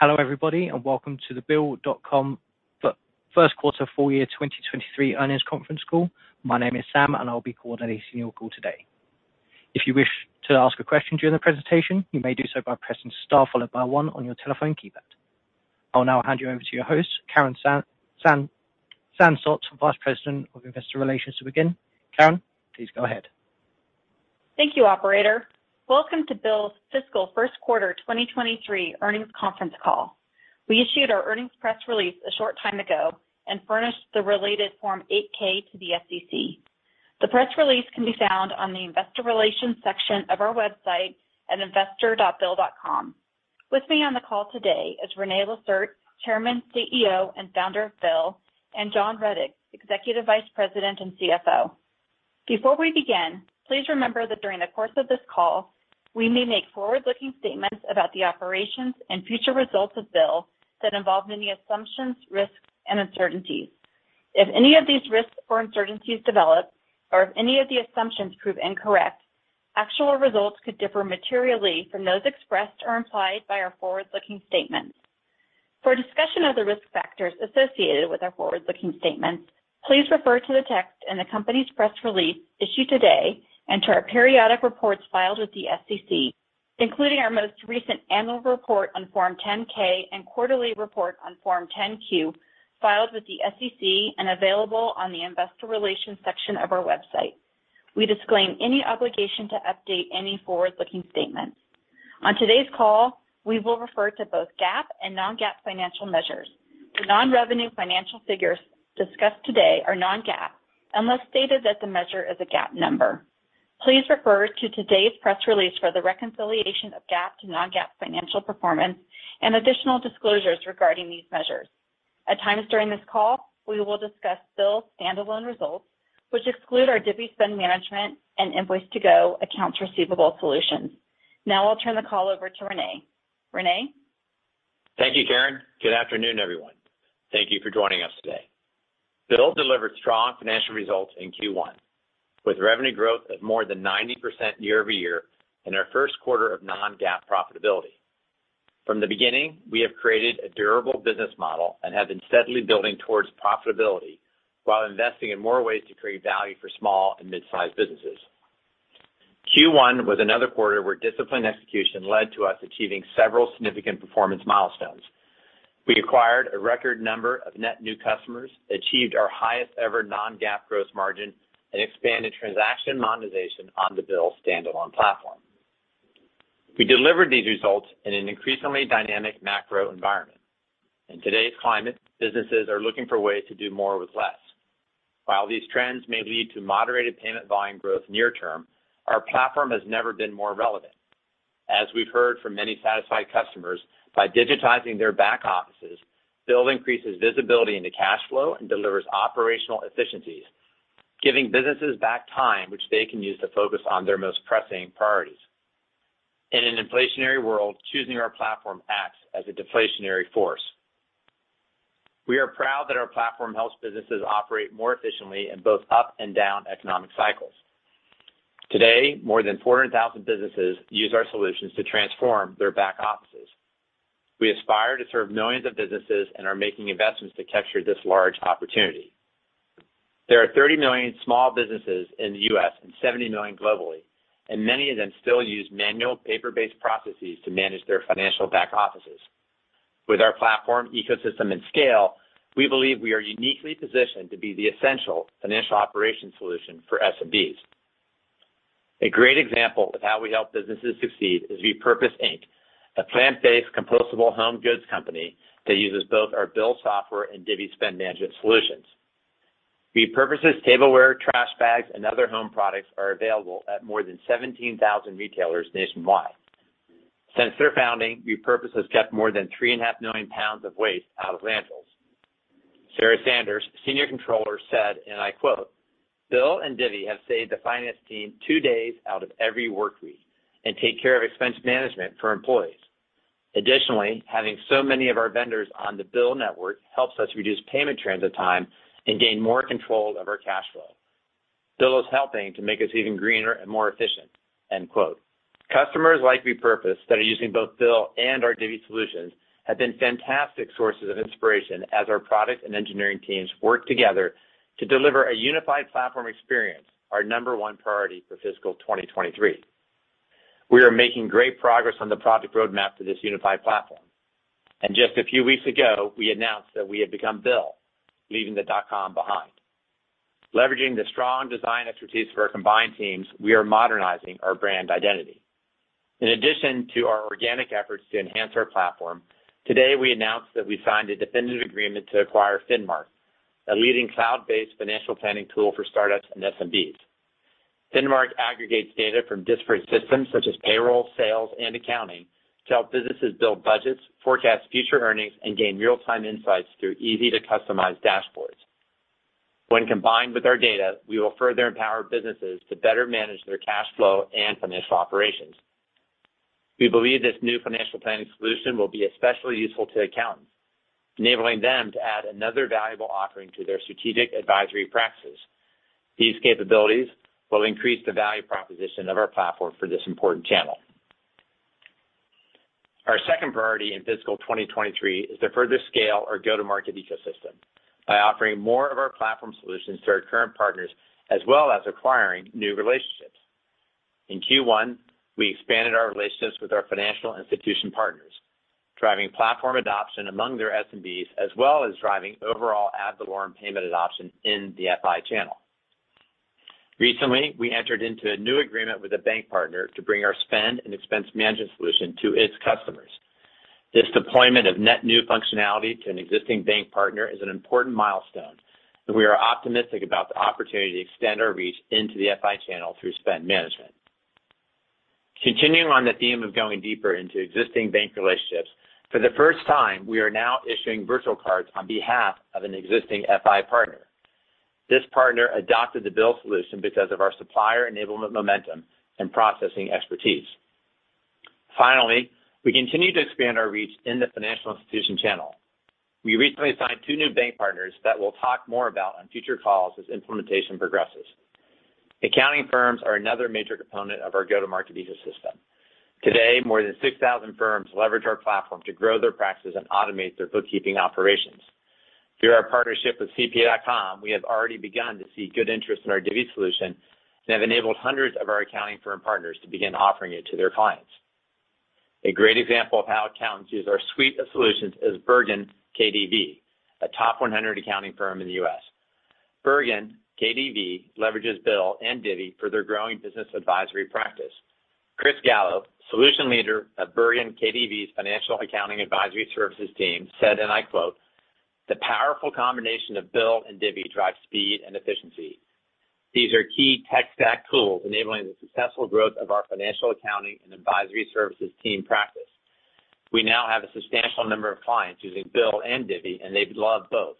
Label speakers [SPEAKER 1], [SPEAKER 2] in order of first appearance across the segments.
[SPEAKER 1] Hello, everybody, and welcome to the bill.com first quarter fiscal year 2023 earnings conference call. My name is Sam, and I'll be coordinating your call today. If you wish to ask a question during the presentation, you may do so by pressing star followed by one on your telephone keypad. I'll now hand you over to your host, Karen Sansot, Vice President of Investor Relations, to begin. Karen, please go ahead.
[SPEAKER 2] Thank you, operator. Welcome to BILL's fiscal first quarter 2023 earnings conference call. We issued our earnings press release a short time ago and furnished the related Form 8-K to the SEC. The press release can be found on the investor relations section of our website at investor.bill.com. With me on the call today is René Lacerte, Chairman, CEO, and founder of BILL, and John Rettig, Executive Vice President and CFO. Before we begin, please remember that during the course of this call, we may make forward-looking statements about the operations and future results of BILL that involve many assumptions, risks, and uncertainties. If any of these risks or uncertainties develop or if any of the assumptions prove incorrect, actual results could differ materially from those expressed or implied by our forward-looking statements. For a discussion of the risk factors associated with our forward-looking statements, please refer to the text in the company's press release issued today and to our periodic reports filed with the SEC, including our most recent annual report on Form 10-K and quarterly report on Form 10-Q, filed with the SEC and available on the investor relations section of our website. We disclaim any obligation to update any forward-looking statements. On today's call, we will refer to both GAAP and non-GAAP financial measures. The non-revenue financial figures discussed today are non-GAAP, unless stated that the measure is a GAAP number. Please refer to today's press release for the reconciliation of GAAP to non-GAAP financial performance and additional disclosures regarding these measures. At times during this call, we will discuss BILL standalone results, which exclude our Divvy spend management and Invoice2go accounts receivable solutions. Now I'll turn the call over to René. René?
[SPEAKER 3] Thank you, Karen. Good afternoon, everyone. Thank you for joining us today. BILL delivered strong financial results in Q1, with revenue growth of more than 90% year-over-year in our first quarter of non-GAAP profitability. From the beginning, we have created a durable business model and have been steadily building towards profitability while investing in more ways to create value for small and mid-sized businesses. Q1 was another quarter where disciplined execution led to us achieving several significant performance milestones. We acquired a record number of net new customers, achieved our highest ever non-GAAP gross margin, and expanded transaction monetization on the BILL standalone platform. We delivered these results in an increasingly dynamic macro environment. In today's climate, businesses are looking for ways to do more with less. While these trends may lead to moderated payment volume growth near term, our platform has never been more relevant. As we've heard from many satisfied customers, by digitizing their back offices, BILL increases visibility into cash flow and delivers operational efficiencies, giving businesses back time which they can use to focus on their most pressing priorities. In an inflationary world, choosing our platform acts as a deflationary force. We are proud that our platform helps businesses operate more efficiently in both up and down economic cycles. Today, more than 400,000 businesses use our solutions to transform their back offices. We aspire to serve millions of businesses and are making investments to capture this large opportunity. There are 30 million small businesses in the U.S. and 70 million globally, and many of them still use manual paper-based processes to manage their financial back offices. With our platform, ecosystem, and scale, we believe we are uniquely positioned to be the essential financial operations solution for SMBs. A great example of how we help businesses succeed is Repurpose Inc., a plant-based compostable home goods company that uses both our BILL software and Divvy spend management solutions. Repurpose's tableware, trash bags, and other home products are available at more than 17,000 retailers nationwide. Since their founding, Repurpose has kept more than 3.5 million pounds of waste out of landfills. Sarah Sanders, Senior Controller, said, and I quote, "BILL and Divvy have saved the finance team two days out of every workweek and take care of expense management for employees. Additionally, having so many of our vendors on the BILL network helps us reduce payment transit time and gain more control of our cash flow. BILLis helping to make us even greener and more efficient." Customers like Repurpose that are using both BILL and our Divvy solutions have been fantastic sources of inspiration as our product and engineering teams work together to deliver a unified platform experience, our number one priority for fiscal 2023. We are making great progress on the project roadmap to this unified platform. Just a few weeks ago, we announced that we had become BILL, leaving the dot-com behind. Leveraging the strong design expertise for our combined teams, we are modernizing our brand identity. In addition to our organic efforts to enhance our platform, today we announced that we signed a definitive agreement to acquire Finmark, a leading cloud-based financial planning tool for startups and SMBs. Finmark aggregates data from disparate systems such as payroll, sales, and accounting to help businesses build budgets, forecast future earnings, and gain real-time insights through easy to customize dashboards. When combined with our data, we will further empower businesses to better manage their cash flow and financial operations. We believe this new financial planning solution will be especially useful to accountants, enabling them to add another valuable offering to their strategic advisory practices. These capabilities will increase the value proposition of our platform for this important channel. Our second priority in fiscal 2023 is to further scale our go-to-market ecosystem by offering more of our platform solutions to our current partners, as well as acquiring new relationships. In Q1, we expanded our relationships with our financial institution partners, driving platform adoption among their SMBs, as well as driving overall ad valorem payment adoption in the FI channel. Recently, we entered into a new agreement with a bank partner to bring our spend and expense management solution to its customers. This deployment of net new functionality to an existing bank partner is an important milestone, and we are optimistic about the opportunity to extend our reach into the FI channel through spend management. Continuing on the theme of going deeper into existing bank relationships, for the first time, we are now issuing virtual cards on behalf of an existing FI partner. This partner adopted the BILL solution because of our supplier enablement momentum and processing expertise. Finally, we continue to expand our reach in the financial institution channel. We recently signed two new bank partners that we'll talk more about on future calls as implementation progresses. Accounting firms are another major component of our go-to-market ecosystem. Today, more than 6,000 firms leverage our platform to grow their practices and automate their bookkeeping operations. Through our partnership with CPA.com, we have already begun to see good interest in our Divvy solution and have enabled hundreds of our accounting firm partners to begin offering it to their clients. A great example of how accountants use our suite of solutions is BerganKDV, a top 100 accounting firm in the U.S. BerganKDV leverages BILL and Divvy for their growing business advisory practice. Chris Gallup, Solution Leader of BerganKDV's Financial Accounting Advisory Services team, said, and I quote, "The powerful combination of BILL and Divvy drives speed and efficiency. These are key tech stack tools enabling the successful growth of our financial accounting and advisory services team practice. We now have a substantial number of clients using BILL and Divvy, and they love both.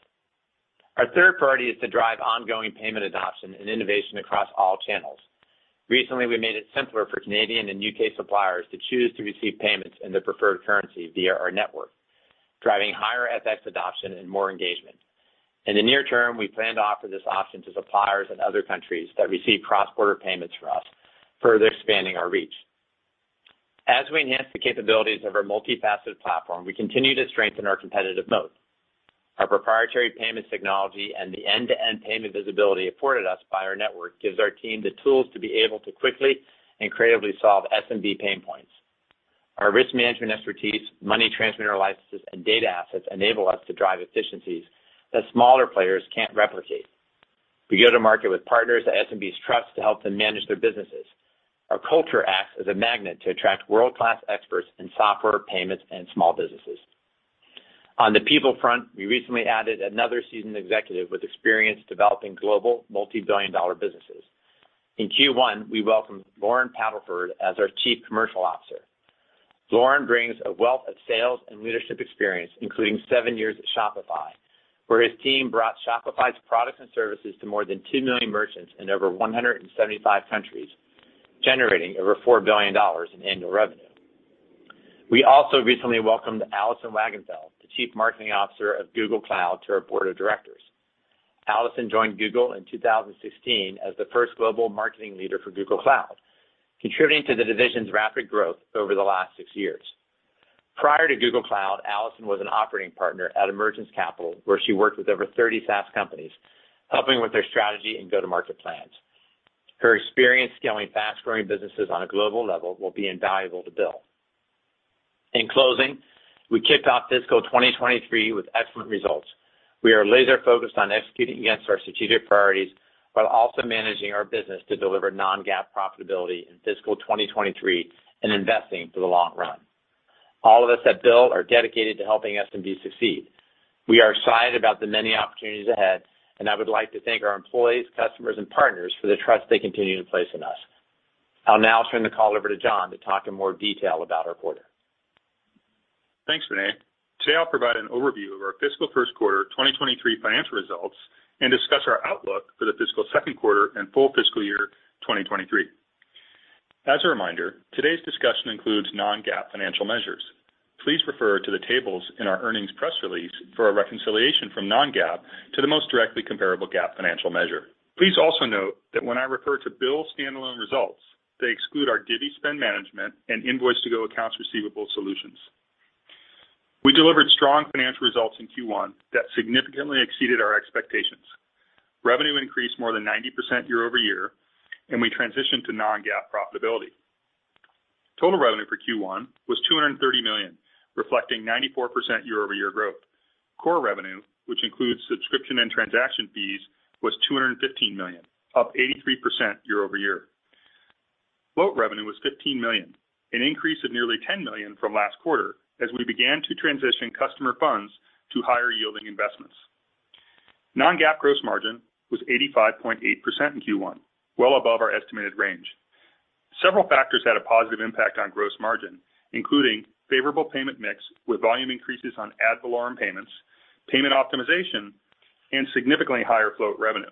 [SPEAKER 3] Our third priority is to drive ongoing payment adoption and innovation across all channels. Recently, we made it simpler for Canadian and U.K. suppliers to choose to receive payments in their preferred currency via our network, driving higher FX adoption and more engagement. In the near term, we plan to offer this option to suppliers in other countries that receive cross-border payments from us, further expanding our reach. As we enhance the capabilities of our multi-faceted platform, we continue to strengthen our competitive moat. Our proprietary payments technology and the end-to-end payment visibility afforded us by our network gives our team the tools to be able to quickly and creatively solve SMB pain points. Our risk management expertise, money transmitter licenses, and data assets enable us to drive efficiencies that smaller players can't replicate. We go to market with partners that SMBs trust to help them manage their businesses. Our culture acts as a magnet to attract world-class experts in software, payments, and small businesses. On the people front, we recently added another seasoned executive with experience developing global multi-billion-dollar businesses. In Q1, we welcomed Loren Padelford as our Chief Commercial Officer. Loren brings a wealth of sales and leadership experience, including seven years at Shopify, where his team brought Shopify's products and services to more than 2 million merchants in over 175 countries, generating over $4 billion in annual revenue. We also recently welcomed Alison Wagonfeld, the Chief Marketing Officer of Google Cloud, to our board of directors. Alison joined Google in 2016 as the first global marketing leader for Google Cloud, contributing to the division's rapid growth over the last six years. Prior to Google Cloud, Alison was an operating partner at Emergence Capital, where she worked with over 30 SaaS companies, helping with their strategy and go-to-market plans. Her experience scaling fast-growing businesses on a global level will be invaluable to BILL. In closing, we kicked off fiscal 2023 with excellent results. We are laser-focused on executing against our strategic priorities while also managing our business to deliver non-GAAP profitability in fiscal 2023 and investing for the long run. All of us at BILL are dedicated to helping SMBs succeed. We are excited about the many opportunities ahead, and I would like to thank our employees, customers, and partners for the trust they continue to place in us. I'll now turn the call over to John to talk in more detail about our quarter.
[SPEAKER 4] Thanks, René. Today, I'll provide an overview of our fiscal first quarter 2023 financial results and discuss our outlook for the fiscal second quarter and full fiscal year 2023. As a reminder, today's discussion includes non-GAAP financial measures. Please refer to the tables in our earnings press release for a reconciliation from non-GAAP to the most directly comparable GAAP financial measure. Please also note that when I refer to BILL standalone results, they exclude our Divvy spend management and Invoice2go accounts receivable solutions. We delivered strong financial results in Q1 that significantly exceeded our expectations. Revenue increased more than 90% year-over-year, and we transitioned to non-GAAP profitability. Total revenue for Q1 was $230 million, reflecting 94% year-over-year growth. Core revenue, which includes subscription and transaction fees, was $215 million, up 83% year-over-year. Float revenue was $15 million, an increase of nearly $10 million from last quarter as we began to transition customer funds to higher-yielding investments. Non-GAAP gross margin was 85.8% in Q1, well above our estimated range. Several factors had a positive impact on gross margin, including favorable payment mix with volume increases on ad valorem payments, payment optimization, and significantly higher float revenue.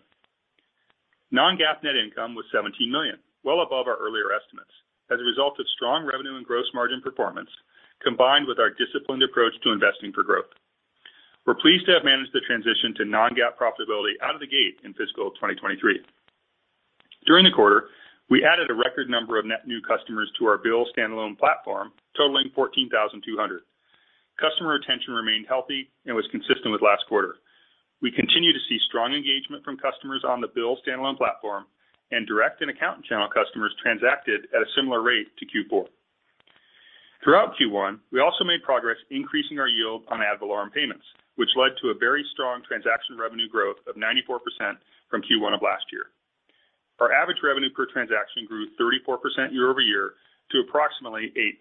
[SPEAKER 4] Non-GAAP net income was $17 million, well above our earlier estimates, as a result of strong revenue and gross margin performance, combined with our disciplined approach to investing for growth. We're pleased to have managed the transition to non-GAAP profitability out of the gate in fiscal 2023. During the quarter, we added a record number of net new customers to our BILL standalone platform, totaling 14,200. Customer retention remained healthy and was consistent with last quarter. We continue to see strong engagement from customers on the BILL standalone platform and direct and accountant channel customers transacted at a similar rate to Q4. Throughout Q1, we also made progress increasing our yield on ad valorem payments, which led to a very strong transaction revenue growth of 94% from Q1 of last year. Our average revenue per transaction grew 34% year-over-year to approximately $8.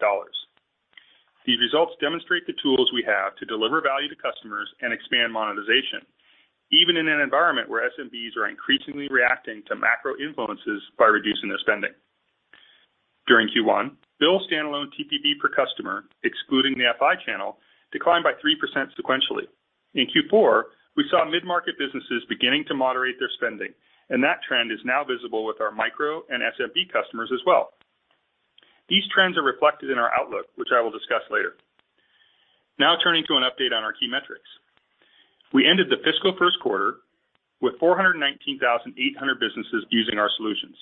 [SPEAKER 4] These results demonstrate the tools we have to deliver value to customers and expand monetization, even in an environment where SMBs are increasingly reacting to macro influences by reducing their spending. During Q1, BILL standalone TPV per customer, excluding the FI channel, declined by 3% sequentially. In Q4, we saw mid-market businesses beginning to moderate their spending, and that trend is now visible with our micro and SMB customers as well. These trends are reflected in our outlook, which I will discuss later. Now turning to an update on our key metrics. We ended the fiscal first quarter with 419,800 businesses using our solutions.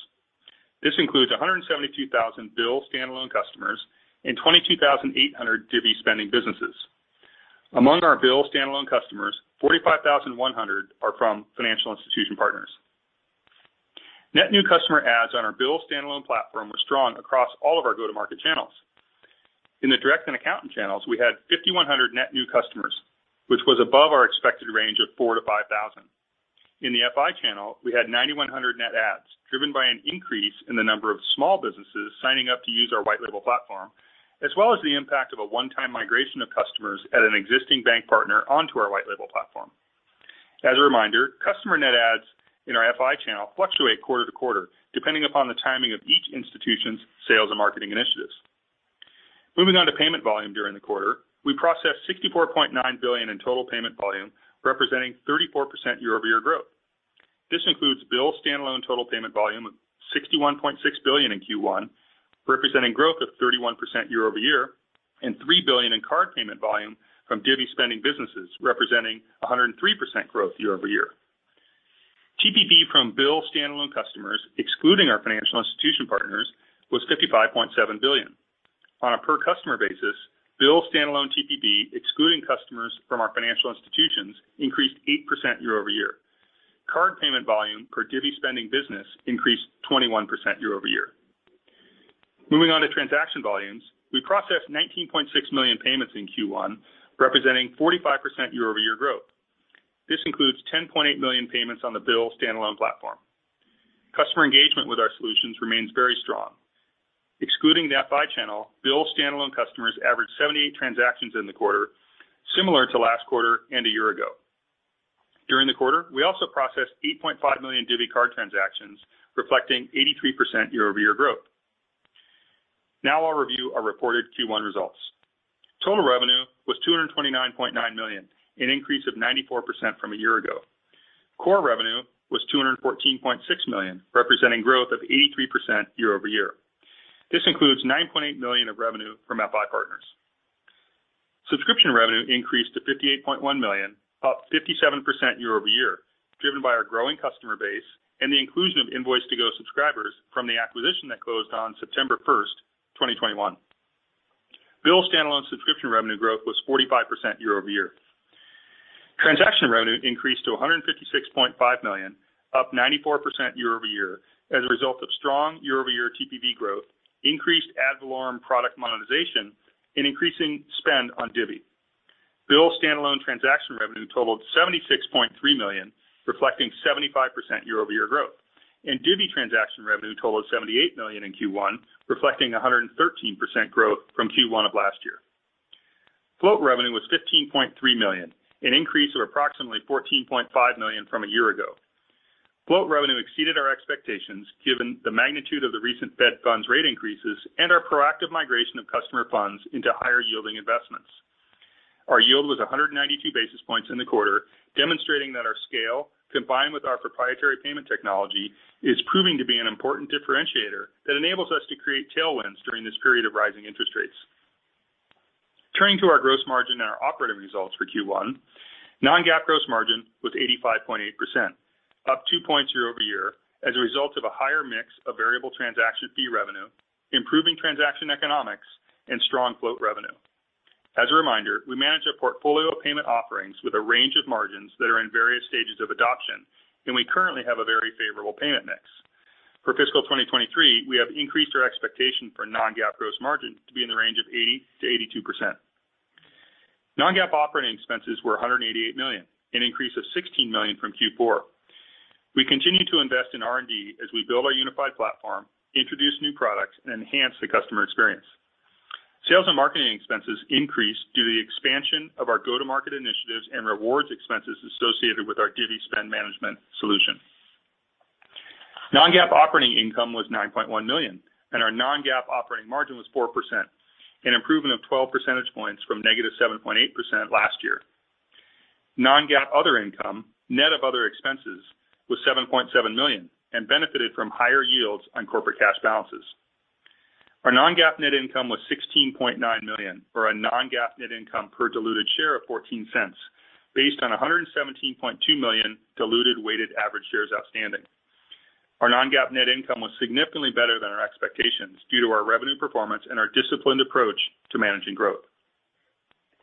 [SPEAKER 4] This includes 172,000 BILL standalone customers and 22,800 Divvy spending businesses. Among our BILL standalone customers, 45,100 are from financial institution partners. Net new customer adds on our BILL standalone platform were strong across all of our go-to-market channels. In the direct and accountant channels, we had 5,100 net new customers, which was above our expected range of 4,000-5,000. In the FI channel, we had 9,100 net adds, driven by an increase in the number of small businesses signing up to use our white label platform, as well as the impact of a one-time migration of customers at an existing bank partner onto our white label platform. As a reminder, customer net adds in our FI channel fluctuate quarter to quarter, depending upon the timing of each institution's sales and marketing initiatives. Moving on to payment volume during the quarter. We processed $64.9 billion in total payment volume, representing 34% year-over-year growth. This includes BILL standalone total payment volume of $61.6 billion in Q1, representing growth of 31% year-over-year, and $3 billion in card payment volume from Divvy spending businesses, representing 103% year-over-year growth. TPV from BILL standalone customers, excluding our financial institution partners, was $55.7 billion. On a per customer basis, BILL standalone TPV, excluding customers from our financial institutions, increased 8% year-over-year. Card payment volume per Divvy spending business increased 21% year-over-year. Moving on to transaction volumes. We processed 19.6 million payments in Q1, representing 45% year-over-year growth. This includes 10.8 million payments on the BILL standalone platform. Customer engagement with our solutions remains very strong. Excluding the FI channel, BILL standalone customers averaged 78 transactions in the quarter, similar to last quarter and a year ago. During the quarter, we also processed 8.5 million Divvy card transactions, reflecting 83% year-over-year growth. Now I'll review our reported Q1 results. Total revenue was $229.9 million, an increase of 94% from a year ago. Core revenue was $214.6 million, representing growth of 83% year-over-year. This includes $9.8 million of revenue from FI partners. Subscription revenue increased to $58.1 million, up 57% year-over-year, driven by our growing customer base and the inclusion of Invoice2go subscribers from the acquisition that closed on September 1st, 2021. BILL standalone subscription revenue growth was 45% year-over-year. Transaction revenue increased to $156.5 million, up 94% year-over-year, as a result of strong year-over-year TPV growth, increased ad valorem product monetization, and increasing spend on Divvy. BILL standalone transaction revenue totaled $76.3 million, reflecting 75% year-over-year growth, and Divvy transaction revenue totaled $78 million in Q1, reflecting 113% growth from Q1 of last year. Float revenue was $15.3 million, an increase of approximately $14.5 million from a year ago. Float revenue exceeded our expectations, given the magnitude of the recent Fed funds rate increases and our proactive migration of customer funds into higher-yielding investments. Our yield was 192 basis points in the quarter, demonstrating that our scale, combined with our proprietary payment technology, is proving to be an important differentiator that enables us to create tailwinds during this period of rising interest rates. Turning to our gross margin and our operating results for Q1. non-GAAP gross margin was 85.8%, up 2 points year-over-year as a result of a higher mix of variable transaction fee revenue, improving transaction economics, and strong float revenue. As a reminder, we manage a portfolio of payment offerings with a range of margins that are in various stages of adoption, and we currently have a very favorable payment mix. For fiscal 2023, we have increased our expectation for non-GAAP gross margin to be in the range of 80%-82%. non-GAAP operating expenses were $188 million, an increase of $16 million from Q4. We continue to invest in R&D as we build our unified platform, introduce new products, and enhance the customer experience. Sales and marketing expenses increased due to the expansion of our go-to-market initiatives and rewards expenses associated with our Divvy Spend Management solution. Non-GAAP operating income was $9.1 million, and our non-GAAP operating margin was 4%, an improvement of 12 percentage points from -7.8% last year. Non-GAAP other income, net of other expenses, was $7.7 million and benefited from higher yields on corporate cash balances. Our non-GAAP net income was $16.9 million, or a non-GAAP net income per diluted share of $0.14 based on 117.2 million diluted weighted average shares outstanding. Our non-GAAP net income was significantly better than our expectations due to our revenue performance and our disciplined approach to managing growth.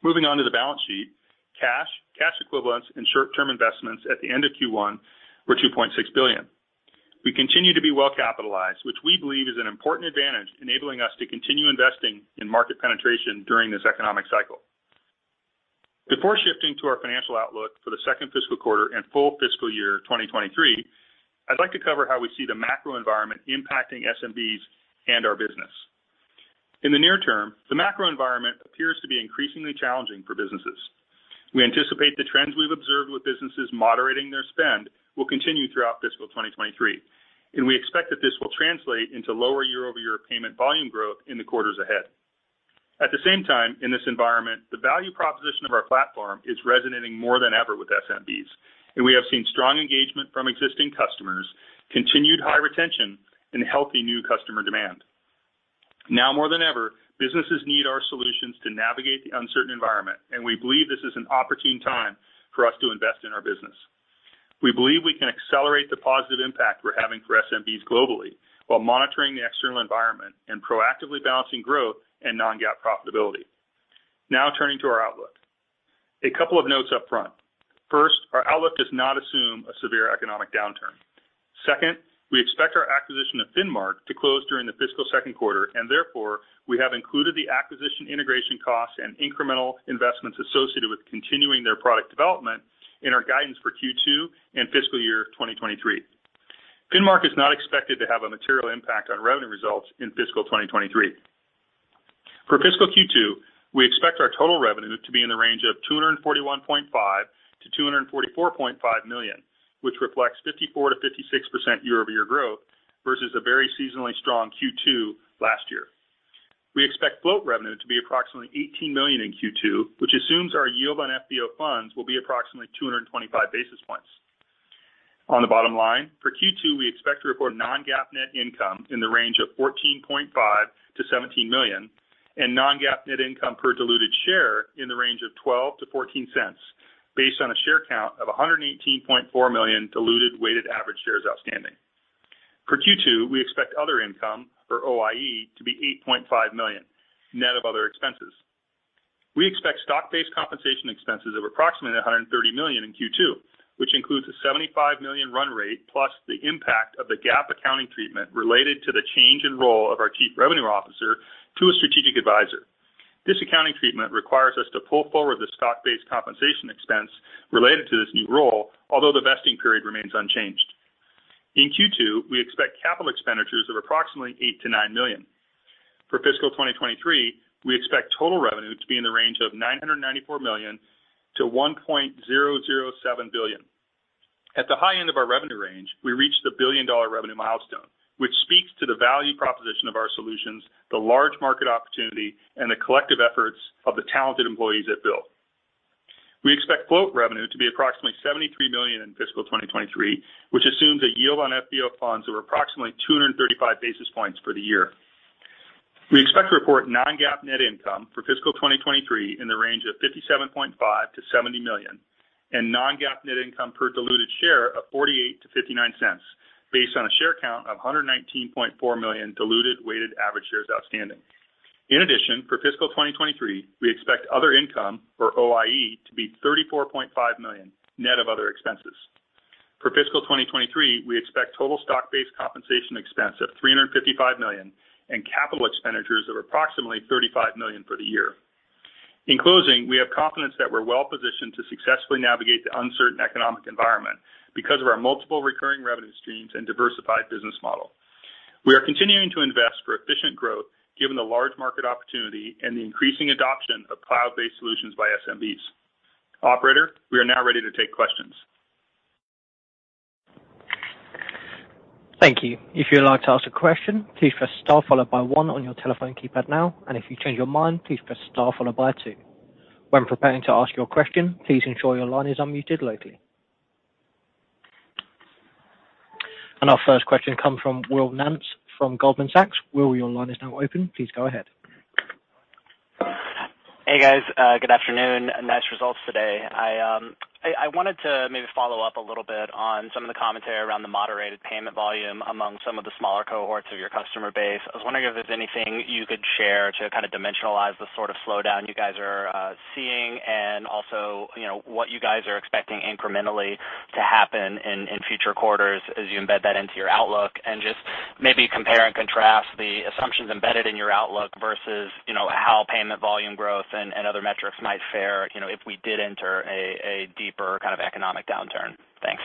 [SPEAKER 4] Moving on to the balance sheet. Cash, cash equivalents, and short-term investments at the end of Q1 were $2.6 billion. We continue to be well capitalized, which we believe is an important advantage, enabling us to continue investing in market penetration during this economic cycle. Before shifting to our financial outlook for the second fiscal quarter and full fiscal year 2023, I'd like to cover how we see the macro environment impacting SMBs and our business. In the near term, the macro environment appears to be increasingly challenging for businesses. We anticipate the trends we've observed with businesses moderating their spend will continue throughout fiscal 2023, and we expect that this will translate into lower year-over-year payment volume growth in the quarters ahead. At the same time, in this environment, the value proposition of our platform is resonating more than ever with SMBs, and we have seen strong engagement from existing customers, continued high retention, and healthy new customer demand. Now more than ever, businesses need our solutions to navigate the uncertain environment, and we believe this is an opportune time for us to invest in our business. We believe we can accelerate the positive impact we're having for SMBs globally while monitoring the external environment and proactively balancing growth and non-GAAP profitability. Now turning to our outlook. A couple of notes up front. First, our outlook does not assume a severe economic downturn. Second, we expect our acquisition of Finmark to close during the fiscal second quarter, and therefore, we have included the acquisition integration costs and incremental investments associated with continuing their product development in our guidance for Q2 and fiscal year 2023. Finmark is not expected to have a material impact on revenue results in fiscal 2023. For fiscal Q2, we expect our total revenue to be in the range of $241.5 million-$244.5 million, which reflects 54%-56% year-over-year growth versus a very seasonally strong Q2 last year. We expect float revenue to be approximately $18 million in Q2, which assumes our yield on FBO funds will be approximately 225 basis points. On the bottom line, for Q2, we expect to report non-GAAP net income in the range of $14.5 million-$17 million and non-GAAP net income per diluted share in the range of $0.12-$0.14 based on a share count of 118.4 million diluted weighted average shares outstanding. For Q2, we expect other income, or OIE, to be $8.5 million, net of other expenses. We expect stock-based compensation expenses of approximately $130 million in Q2, which includes a $75 million run rate plus the impact of the GAAP accounting treatment related to the change in role of our chief revenue officer to a strategic advisor. This accounting treatment requires us to pull forward the stock-based compensation expense related to this new role, although the vesting period remains unchanged. In Q2, we expect capital expenditures of approximately $8 million-$9 million. For fiscal 2023, we expect total revenue to be in the range of $994 million to $1.007 billion. At the high end of our revenue range, we reached a billion-dollar revenue milestone, which speaks to the value proposition of our solutions, the large market opportunity, and the collective efforts of the talented employees at BILL. We expect float revenue to be approximately $73 million in fiscal 2023, which assumes a yield on FBO funds of approximately 235 basis points for the year. We expect to report non-GAAP net income for fiscal 2023 in the range of $57.5 million-$70 million and non-GAAP net income per diluted share of $0.48-$0.59 based on a share count of 119.4 million diluted weighted average shares outstanding. In addition, for fiscal 2023, we expect other income or OIE to be $34.5 million, net of other expenses. For fiscal 2023, we expect total stock-based compensation expense of $355 million and capital expenditures of approximately $35 million for the year. In closing, we have confidence that we're well-positioned to successfully navigate the uncertain economic environment because of our multiple recurring revenue streams and diversified business model. We are continuing to invest for efficient growth given the large market opportunity and the increasing adoption of cloud-based solutions by SMBs. Operator, we are now ready to take questions.
[SPEAKER 1] Thank you. If you'd like to ask a question, please press star followed by one on your telephone keypad now, and if you change your mind, please press star followed by two. When preparing to ask your question, please ensure your line is unmuted locally. Our first question comes from Will Nance from Goldman Sachs. Will, your line is now open. Please go ahead.
[SPEAKER 5] Hey, guys. Good afternoon. Nice results today. I wanted to maybe follow up a little bit on some of the commentary around the moderated payment volume among some of the smaller cohorts of your customer base. I was wondering if there's anything you could share to kinda dimensionalize the sort of slowdown you guys are seeing and also, you know, what you guys are expecting incrementally to happen in future quarters as you embed that into your outlook. Just maybe compare and contrast the assumptions embedded in your outlook versus, you know, how payment volume growth and other metrics might fare, you know, if we did enter a deeper kind of economic downturn. Thanks.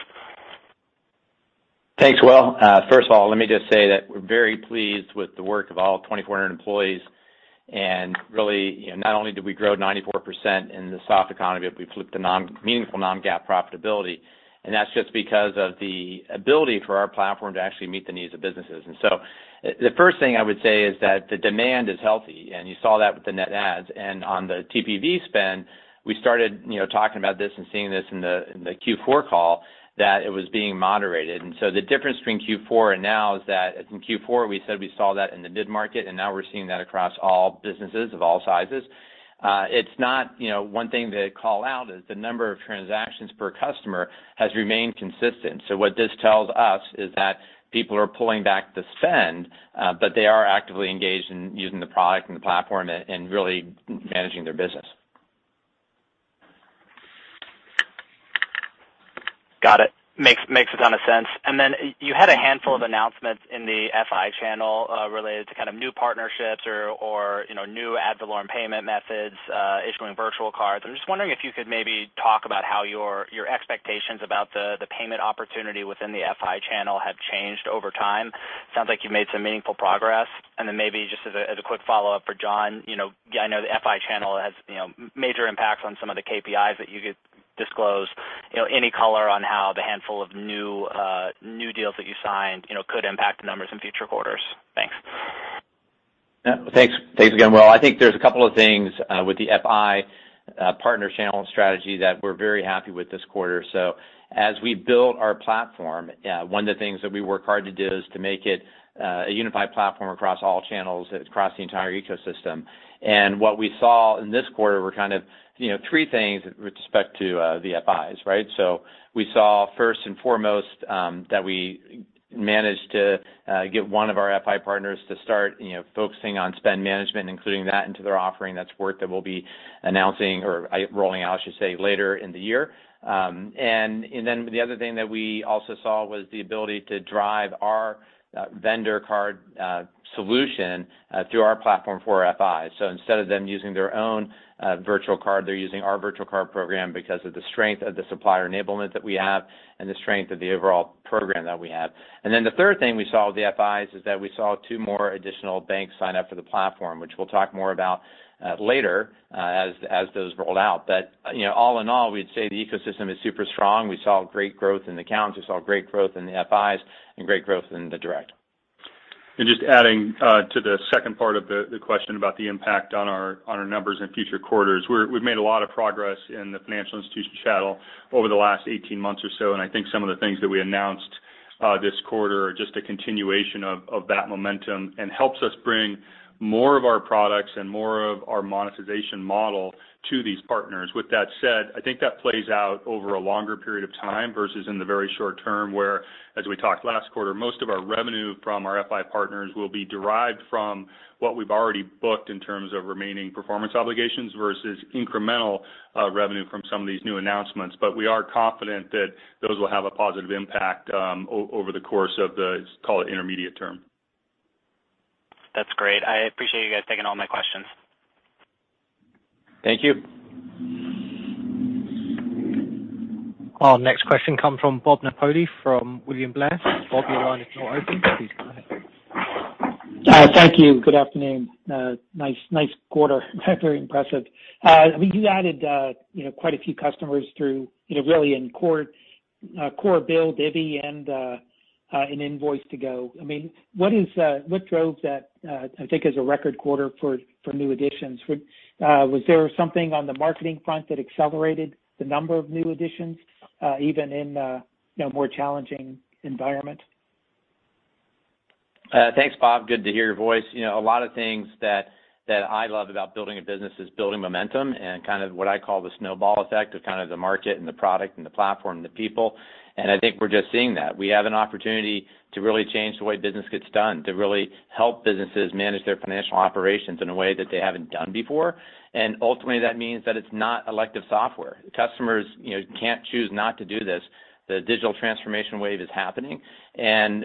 [SPEAKER 4] Thanks, Will. First of all, let me just say that we're very pleased with the work of all 2,400 employees. Really, you know, not only did we grow 94% in the soft economy, but we flipped to meaningful non-GAAP profitability. That's just because of the ability for our platform to actually meet the needs of businesses. The first thing I would say is that the demand is healthy, and you saw that with the net adds. On the TPV spend, we started, you know, talking about this and seeing this in the Q4 call. That it was being moderated. The difference between Q4 and now is that in Q4, we said we saw that in the mid-market, and now we're seeing that across all businesses of all sizes. It's not, you know, one thing to call out is the number of transactions per customer has remained consistent. What this tells us is that people are pulling back the spend, but they are actively engaged in using the product and the platform and really managing their business.
[SPEAKER 5] Got it. Makes a ton of sense. You had a handful of announcements in the FI channel related to kind of new partnerships or you know new ad valorem payment methods issuing virtual cards. I'm just wondering if you could maybe talk about how your expectations about the payment opportunity within the FI channel have changed over time. Sounds like you've made some meaningful progress. Maybe just as a quick follow-up for John, you know I know the FI channel has you know major impacts on some of the KPIs that you disclose. You know any color on how the handful of new deals that you signed you know could impact the numbers in future quarters? Thanks.
[SPEAKER 3] Yeah. Thanks again, Will. I think there's a couple of things with the FI partner channel strategy that we're very happy with this quarter. As we build our platform, one of the things that we work hard to do is to make it a unified platform across all channels, across the entire ecosystem. What we saw in this quarter were kind of, you know, three things with respect to the FIs, right? We saw first and foremost that we managed to get one of our FI partners to start, you know, focusing on spend management, including that into their offering. That's work that we'll be announcing or rolling out, I should say, later in the year. The other thing that we also saw was the ability to drive our virtual card solution through our platform for FIs. Instead of them using their own virtual card, they're using our virtual card program because of the strength of the supplier enablement that we have and the strength of the overall program that we have. The third thing we saw with the FIs is that we saw two more additional banks sign up for the platform, which we'll talk more about later as those rolled out. You know, all in all, we'd say the ecosystem is super strong. We saw great growth in accounts, we saw great growth in the FIs and great growth in the direct.
[SPEAKER 4] Just adding to the second part of the question about the impact on our numbers in future quarters. We've made a lot of progress in the financial institution channel over the last 18 months or so, and I think some of the things that we announced this quarter are just a continuation of that momentum and helps us bring more of our products and more of our monetization model to these partners. With that said, I think that plays out over a longer period of time versus in the very short term, where as we talked last quarter, most of our revenue from our FI partners will be derived from what we've already booked in terms of remaining performance obligations versus incremental revenue from some of these new announcements. We are confident that those will have a positive impact over the course of the, let's call it, intermediate term.
[SPEAKER 5] That's great. I appreciate you guys taking all my questions.
[SPEAKER 3] Thank you.
[SPEAKER 1] Our next question comes from Bob Napoli from William Blair. Bob, your line is now open. Please go ahead.
[SPEAKER 6] Thank you. Good afternoon. Nice quarter. Very impressive. I mean, you added, you know, quite a few customers through, you know, core BILL, Divvy, and Invoice2go. I mean, what drove that, I think it's a record quarter for new additions. Was there something on the marketing front that accelerated the number of new additions, even in a, you know, more challenging environment?
[SPEAKER 3] Thanks, Bob. Good to hear your voice. You know, a lot of things that I love about building a business is building momentum and kind of what I call the snowball effect of kind of the market and the product and the platform and the people, and I think we're just seeing that. We have an opportunity to really change the way business gets done, to really help businesses manage their financial operations in a way that they haven't done before. Ultimately, that means that it's not elective software. Customers, you know, can't choose not to do this. The digital transformation wave is happening.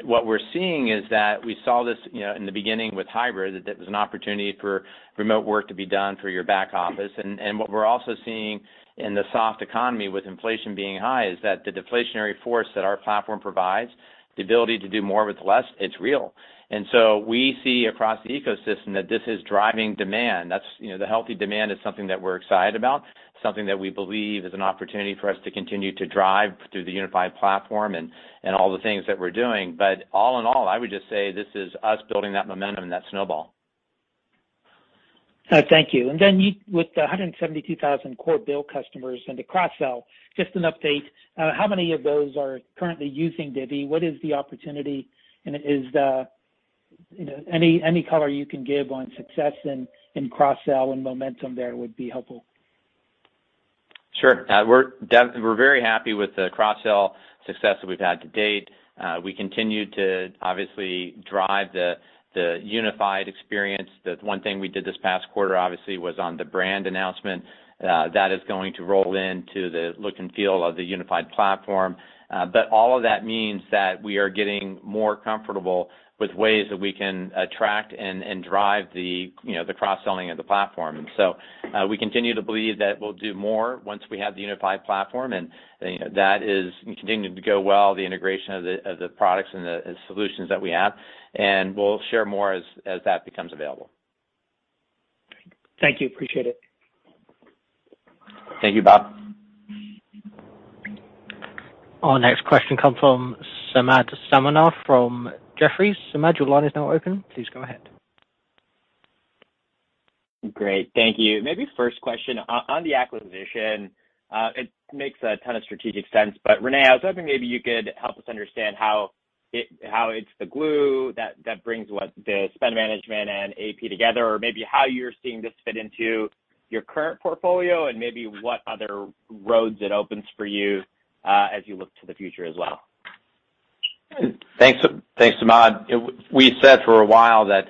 [SPEAKER 3] What we're seeing is that we saw this, you know, in the beginning with hybrid, that there was an opportunity for remote work to be done for your back office. what we're also seeing in the soft economy with inflation being high is that the deflationary force that our platform provides, the ability to do more with less, it's real. We see across the ecosystem that this is driving demand. That's, you know, the healthy demand is something that we're excited about, something that we believe is an opportunity for us to continue to drive through the unified platform and all the things that we're doing. All in all, I would just say this is us building that momentum and that snowball.
[SPEAKER 6] Thank you. With the 172,000 core BILL customers and the cross-sell, just an update, how many of those are currently using Divvy? What is the opportunity, and is there, you know, any color you can give on success in cross-sell and momentum there would be helpful.
[SPEAKER 3] Sure. We're very happy with the cross-sell success that we've had to date. We continue to obviously drive the unified experience. The one thing we did this past quarter, obviously, was on the brand announcement. That is going to roll into the look and feel of the unified platform. But all of that means that we are getting more comfortable with ways that we can attract and drive the, you know, the cross-selling of the platform. We continue to believe that we'll do more once we have the unified platform, and, you know, that is continuing to go well, the integration of the products and the solutions that we have. We'll share more as that becomes available.
[SPEAKER 6] Thank you. Appreciate it.
[SPEAKER 3] Thank you, Bob.
[SPEAKER 1] Our next question comes from Samad Samana from Jefferies. Samad, your line is now open. Please go ahead.
[SPEAKER 7] Great. Thank you. Maybe first question. On the acquisition, it makes a ton of strategic sense, but René, I was hoping maybe you could help us understand how it's the glue that brings what the spend management and AP together, or maybe how you're seeing this fit into your current portfolio and maybe what other roads it opens for you, as you look to the future as well.
[SPEAKER 3] Thanks. Thanks, Samad. We said for a while that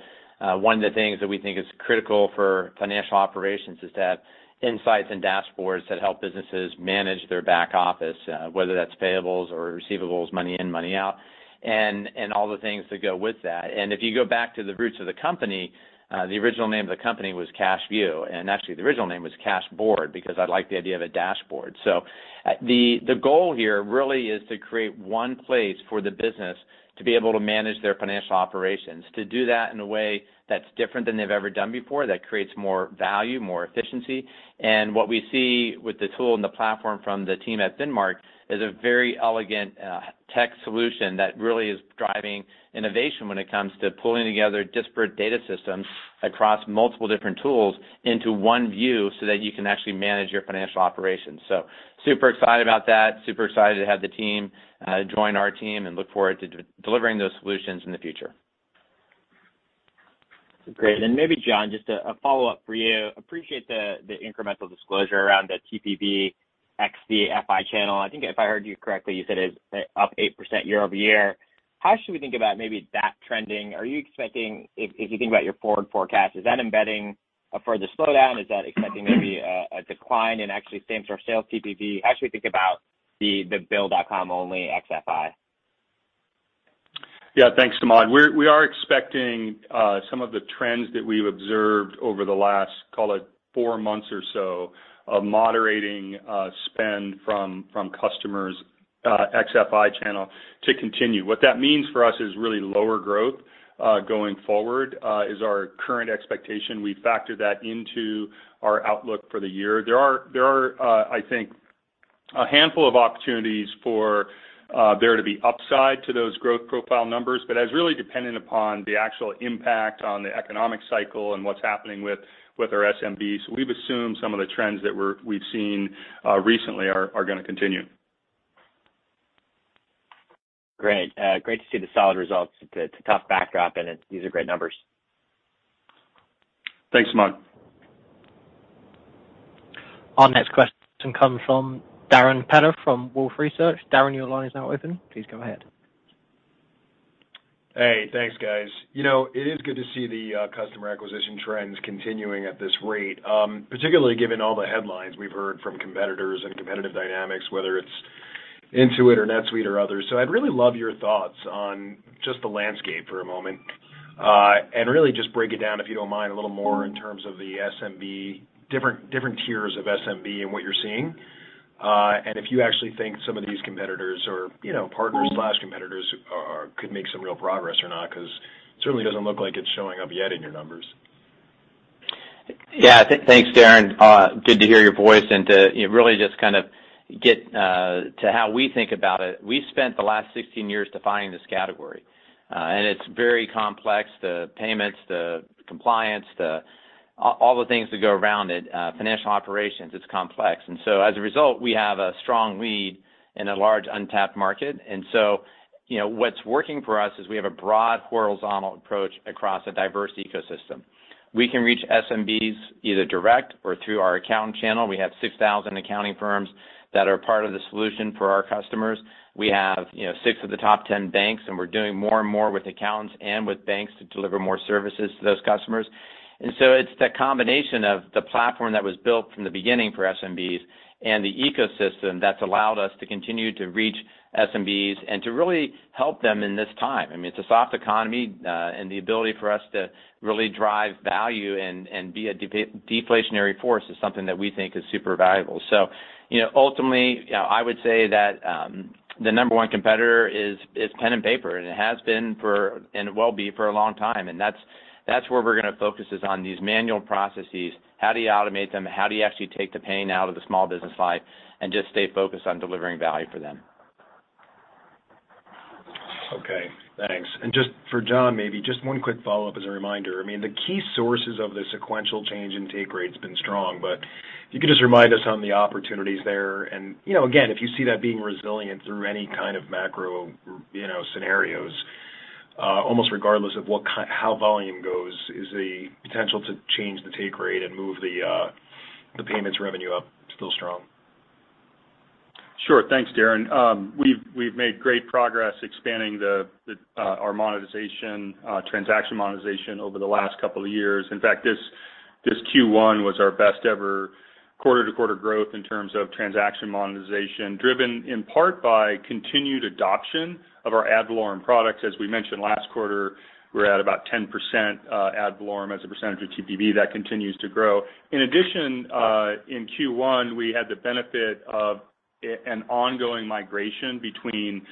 [SPEAKER 3] one of the things that we think is critical for financial operations is to have insights and dashboards that help businesses manage their back office, whether that's payables or receivables, money in, money out, and all the things that go with that. If you go back to the roots of the company, the original name of the company was Cashboard, and actually, the original name was Cashboard because I like the idea of a dashboard. The goal here really is to create one place for the business to be able to manage their financial operations, to do that in a way that's different than they've ever done before, that creates more value, more efficiency. What we see with the tool and the platform from the team at Finmark is a very elegant, tech solution that really is driving innovation when it comes to pulling together disparate data systems across multiple different tools into one view so that you can actually manage your financial operations. Super excited about that, super excited to have the team join our team and look forward to delivering those solutions in the future.
[SPEAKER 7] Great. Maybe, John, just a follow-up for you. Appreciate the incremental disclosure around the TPV ex-FI channel. I think if I heard you correctly, you said it's up 8% year-over-year. How should we think about maybe that trending? Are you expecting? If you think about your forward forecast, is that embedding a further slowdown? Is that expecting maybe a decline in actual SMB sales TPV? Actually, think about the bill.com only ex-FI.
[SPEAKER 4] Yeah. Thanks, Samad. We are expecting some of the trends that we've observed over the last, call it, four months or so of moderating spend from customers ex-FI channel to continue. What that means for us is really lower growth going forward is our current expectation. We factor that into our outlook for the year. There are, I think, a handful of opportunities for there to be upside to those growth profile numbers, but that's really dependent upon the actual impact on the economic cycle and what's happening with our SMBs. We've assumed some of the trends that we've seen recently are gonna continue.
[SPEAKER 7] Great. Great to see the solid results. It's a tough backdrop, and these are great numbers.
[SPEAKER 4] Thanks, Samad.
[SPEAKER 1] Our next question comes from Darrin Peller from Wolfe Research. Darrin, your line is now open. Please go ahead.
[SPEAKER 8] Hey, thanks, guys. You know, it is good to see the customer acquisition trends continuing at this rate, particularly given all the headlines we've heard from competitors and competitive dynamics, whether it's Intuit or NetSuite or others. I'd really love your thoughts on just the landscape for a moment, and really just break it down, if you don't mind, a little more in terms of the SMB, different tiers of SMB and what you're seeing, and if you actually think some of these competitors or, you know, partner/competitors could make some real progress or not, 'cause certainly doesn't look like it's showing up yet in your numbers.
[SPEAKER 3] Yeah. Thanks, Darrin. Good to hear your voice and to you know really just kind of get to how we think about it. We spent the last 16 years defining this category, and it's very complex. The payments, the compliance, all the things that go around it, financial operations, it's complex. You know what's working for us is we have a broad horizontal approach across a diverse ecosystem. We can reach SMBs either direct or through our account channel. We have 6,000 accounting firms that are part of the solution for our customers. You know we have six of the top 10 banks, and we're doing more and more with accountants and with banks to deliver more services to those customers. It's the combination of the platform that was built from the beginning for SMBs and the ecosystem that's allowed us to continue to reach SMBs and to really help them in this time. I mean, it's a soft economy, and the ability for us to really drive value and be a deflationary force is something that we think is super valuable. You know, ultimately, I would say that the number one competitor is pen and paper, and it has been for and will be for a long time. That's where we're gonna focus is on these manual processes. How do you automate them? How do you actually take the pain out of the small business life and just stay focused on delivering value for them?
[SPEAKER 8] Okay, thanks. Just for John, maybe just one quick follow-up as a reminder. I mean, the key sources of the sequential change in take rate's been strong, but if you could just remind us on the opportunities there and, you know, again, if you see that being resilient through any kind of macro, you know, scenarios, almost regardless of how volume goes, is the potential to change the take rate and move the payments revenue up still strong?
[SPEAKER 4] Sure. Thanks, Darrin. We've made great progress expanding the our monetization transaction monetization over the last couple of years. In fact, this Q1 was our best ever quarter-to-quarter growth in terms of transaction monetization, driven in part by continued adoption of our ad valorem products. As we mentioned last quarter, we're at about 10% ad valorem as a percentage of TPV. That continues to grow. In addition, in Q1, we had the benefit of an ongoing migration between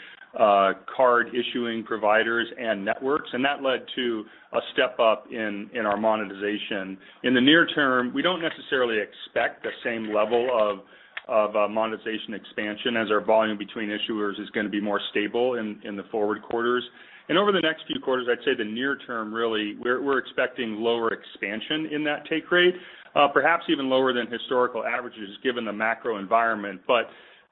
[SPEAKER 4] card issuing providers and networks, and that led to a step up in our monetization. In the near term, we don't necessarily expect the same level of monetization expansion as our volume between issuers is gonna be more stable in the forward quarters. Over the next few quarters, I'd say the near term, really, we're expecting lower expansion in that take rate, perhaps even lower than historical averages given the macro environment.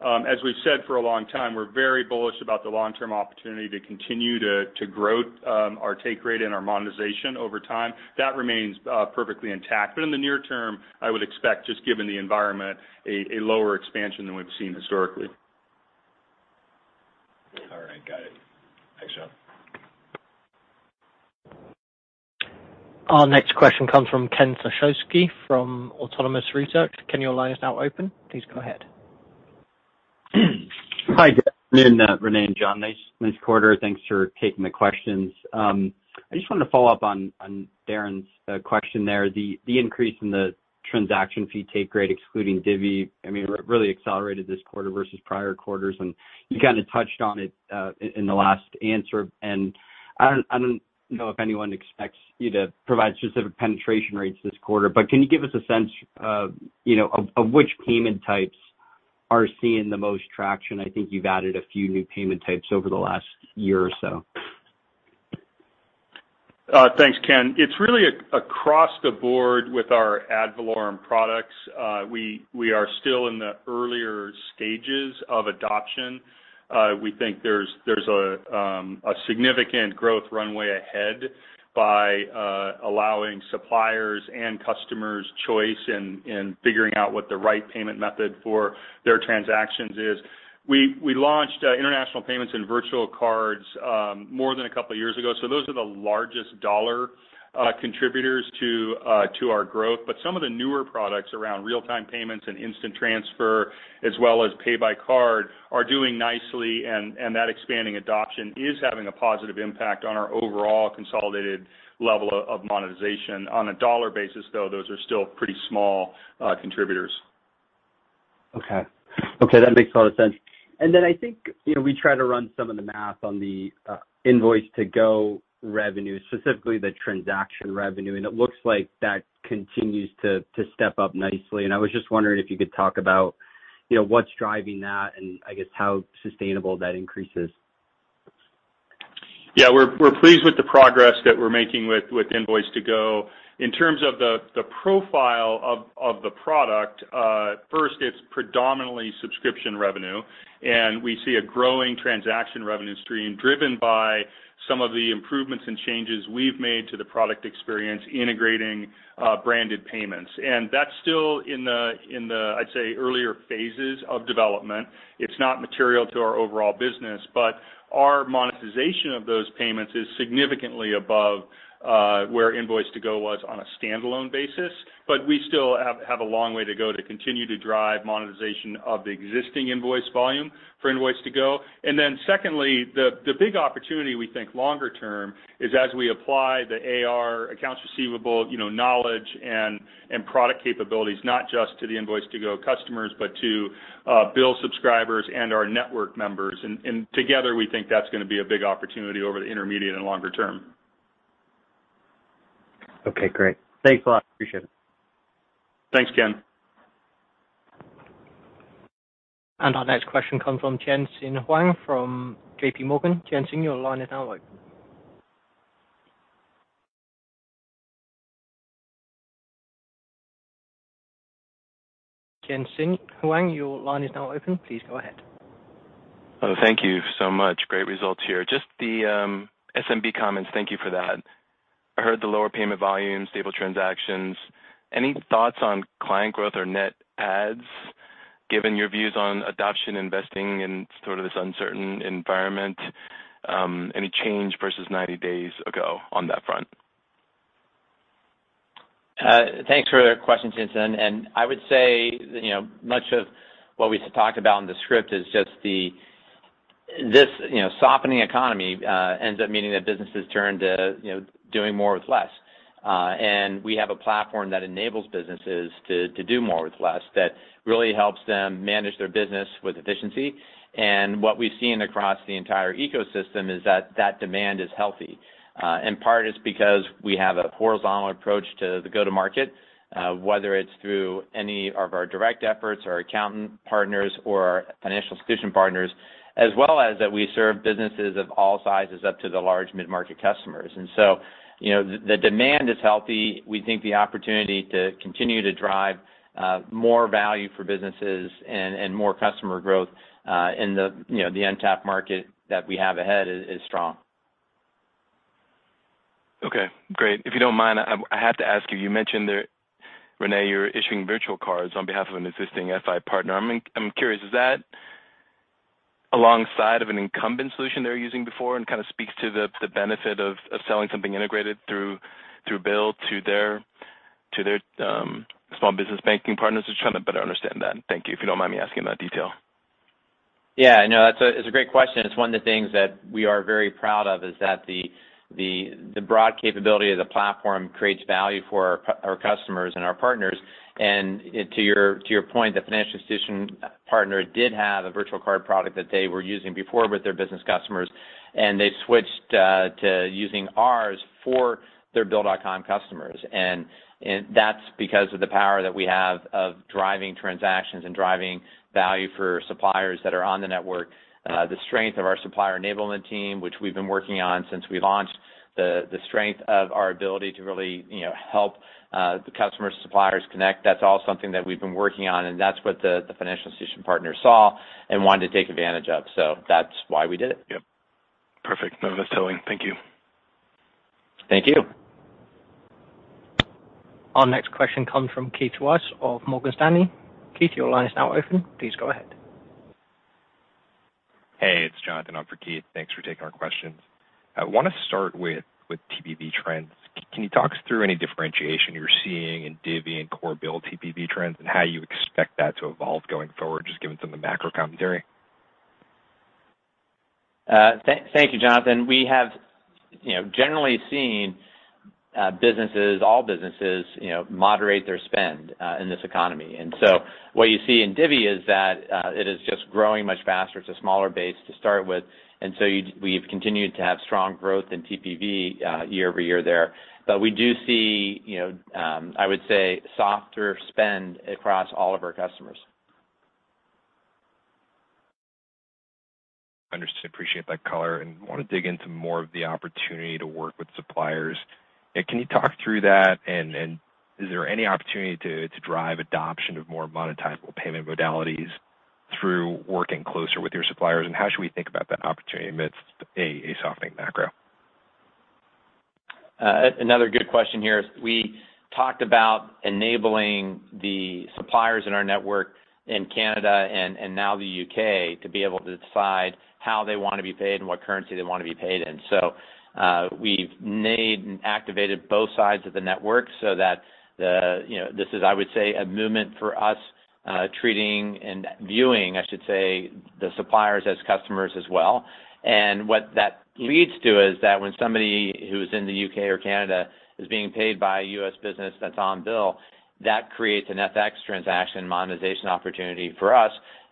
[SPEAKER 4] As we've said for a long time, we're very bullish about the long-term opportunity to continue to grow our take rate and our monetization over time. That remains perfectly intact. In the near term, I would expect, just given the environment, a lower expansion than we've seen historically.
[SPEAKER 8] All right, got it. Thanks, John.
[SPEAKER 1] Our next question comes from Ken Suchoski from Autonomous Research. Ken, your line is now open. Please go ahead.
[SPEAKER 9] Hi, good morning, René and John Rettig. Nice quarter. Thanks for taking the questions. I just wanted to follow up on Darrin Peller's question there. The increase in the transaction fee take rate excluding Divvy, I mean, really accelerated this quarter versus prior quarters, and you kinda touched on it in the last answer. I don't know if anyone expects you to provide specific penetration rates this quarter, but can you give us a sense of, you know, of which payment types are seeing the most traction? I think you've added a few new payment types over the last year or so.
[SPEAKER 4] Thanks, Ken. It's really across the board with our ad valorem products. We are still in the earlier stages of adoption. We think there's a significant growth runway ahead by allowing suppliers and customers choice in figuring out what the right payment method for their transactions is. We launched international payments and virtual cards more than a couple years ago. Those are the largest dollar contributors to our growth. Some of the newer products around real-time payments and instant transfer, as well as pay by card, are doing nicely and that expanding adoption is having a positive impact on our overall consolidated level of monetization. On a dollar basis, though, those are still pretty small contributors.
[SPEAKER 9] Okay. Okay, that makes a lot of sense. Then I think, you know, we try to run some of the math on the Invoice2go revenue, specifically the transaction revenue, and it looks like that continues to step up nicely. I was just wondering if you could talk about, you know, what's driving that and I guess how sustainable that increase is.
[SPEAKER 4] Yeah. We're pleased with the progress that we're making with Invoice2go. In terms of the profile of the product, first, it's predominantly subscription revenue, and we see a growing transaction revenue stream driven by some of the improvements and changes we've made to the product experience integrating branded payments. That's still in the I'd say earlier phases of development. It's not material to our overall business, but our monetization of those payments is significantly above where Invoice2go was on a standalone basis. We still have a long way to go to continue to drive monetization of the existing invoice volume for Invoice2go. Secondly, the big opportunity we think longer term is as we apply the AR accounts receivable, you know, knowledge and product capabilities, not just to the Invoice2go customers, but to BILL subscribers and our network members. Together, we think that's gonna be a big opportunity over the intermediate and longer term.
[SPEAKER 9] Okay, great. Thanks a lot. Appreciate it.
[SPEAKER 4] Thanks, Ken.
[SPEAKER 1] Our next question comes from Tien-Tsin Huang from JPMorgan. Tsin, your line is now open. Tien-Tsin Huang, your line is now open. Please go ahead.
[SPEAKER 10] Oh, thank you so much. Great results here. Just the SMB comments, thank you for that. I heard the lower payment volume, stable transactions. Any thoughts on client growth or net adds given your views on adoption, investing in sort of this uncertain environment? Any change versus 90 days ago on that front?
[SPEAKER 3] Thanks for the question, Tsin. I would say, you know, much of what we talked about in the script is just this, you know, softening economy ends up meaning that businesses turn to, you know, doing more with less. We have a platform that enables businesses to do more with less, that really helps them manage their business with efficiency. What we've seen across the entire ecosystem is that that demand is healthy, in part because we have a horizontal approach to the go-to-market, whether it's through any of our direct efforts or accountant partners or our financial institution partners, as well as that we serve businesses of all sizes up to the large mid-market customers. You know, the demand is healthy. We think the opportunity to continue to drive more value for businesses and more customer growth in the you know the untapped market that we have ahead is strong.
[SPEAKER 10] Okay, great. If you don't mind, I have to ask you. You mentioned there, René, you're issuing virtual cards on behalf of an existing FI partner. I'm curious, is that alongside of an incumbent solution they were using before and kind of speaks to the benefit of selling something integrated through BILL to their small business banking partners? Just trying to better understand that. Thank you, if you don't mind me asking that detail.
[SPEAKER 3] Yeah, no. It's a great question. It's one of the things that we are very proud of, is that the broad capability of the platform creates value for our customers and our partners. To your point, the financial institution partner did have a virtual card product that they were using before with their business customers, and they switched to using ours for their customers. That's because of the power that we have of driving transactions and driving value for suppliers that are on the network. The strength of our supplier enablement team, which we've been working on since we launched, the strength of our ability to really, you know, help the customer suppliers connect, that's all something that we've been working on, and that's what the financial institution partners saw and wanted to take advantage of. That's why we did it.
[SPEAKER 10] Yep. Perfect. No, that's telling. Thank you.
[SPEAKER 3] Thank you.
[SPEAKER 1] Our next question comes from Keith Weiss of Morgan Stanley. Keith, your line is now open. Please go ahead.
[SPEAKER 11] Hey, it's Jonathan on for Keith. Thanks for taking our questions. I wanna start with TPV trends. Can you talk us through any differentiation you're seeing in Divvy and core BILL TPV trends and how you expect that to evolve going forward, just given some of the macro commentary?
[SPEAKER 3] Thank you, Jonathan. We have, you know, generally seen businesses, all businesses, you know, moderate their spend in this economy. What you see in Divvy is that it is just growing much faster. It's a smaller base to start with. We've continued to have strong growth in TPV year over year there. We do see, you know, I would say softer spend across all of our customers.
[SPEAKER 11] Understood. Appreciate that color, and wanna dig into more of the opportunity to work with suppliers. Can you talk through that? Is there any opportunity to drive adoption of more monetizable payment modalities through working closer with your suppliers? How should we think about that opportunity amidst a softening macro?
[SPEAKER 3] Another good question here. We talked about enabling the suppliers in our network in Canada and now the U.K. to be able to decide how they wanna be paid and what currency they wanna be paid in. We've made and activated both sides of the network so that the... You know, this is, I would say, a movement for us, treating and viewing, I should say, the suppliers as customers as well. What that leads to is that when somebody who's in the U.K. or Canada is being paid by a U.S. business that's on BILL, that creates an FX transaction monetization opportunity for us,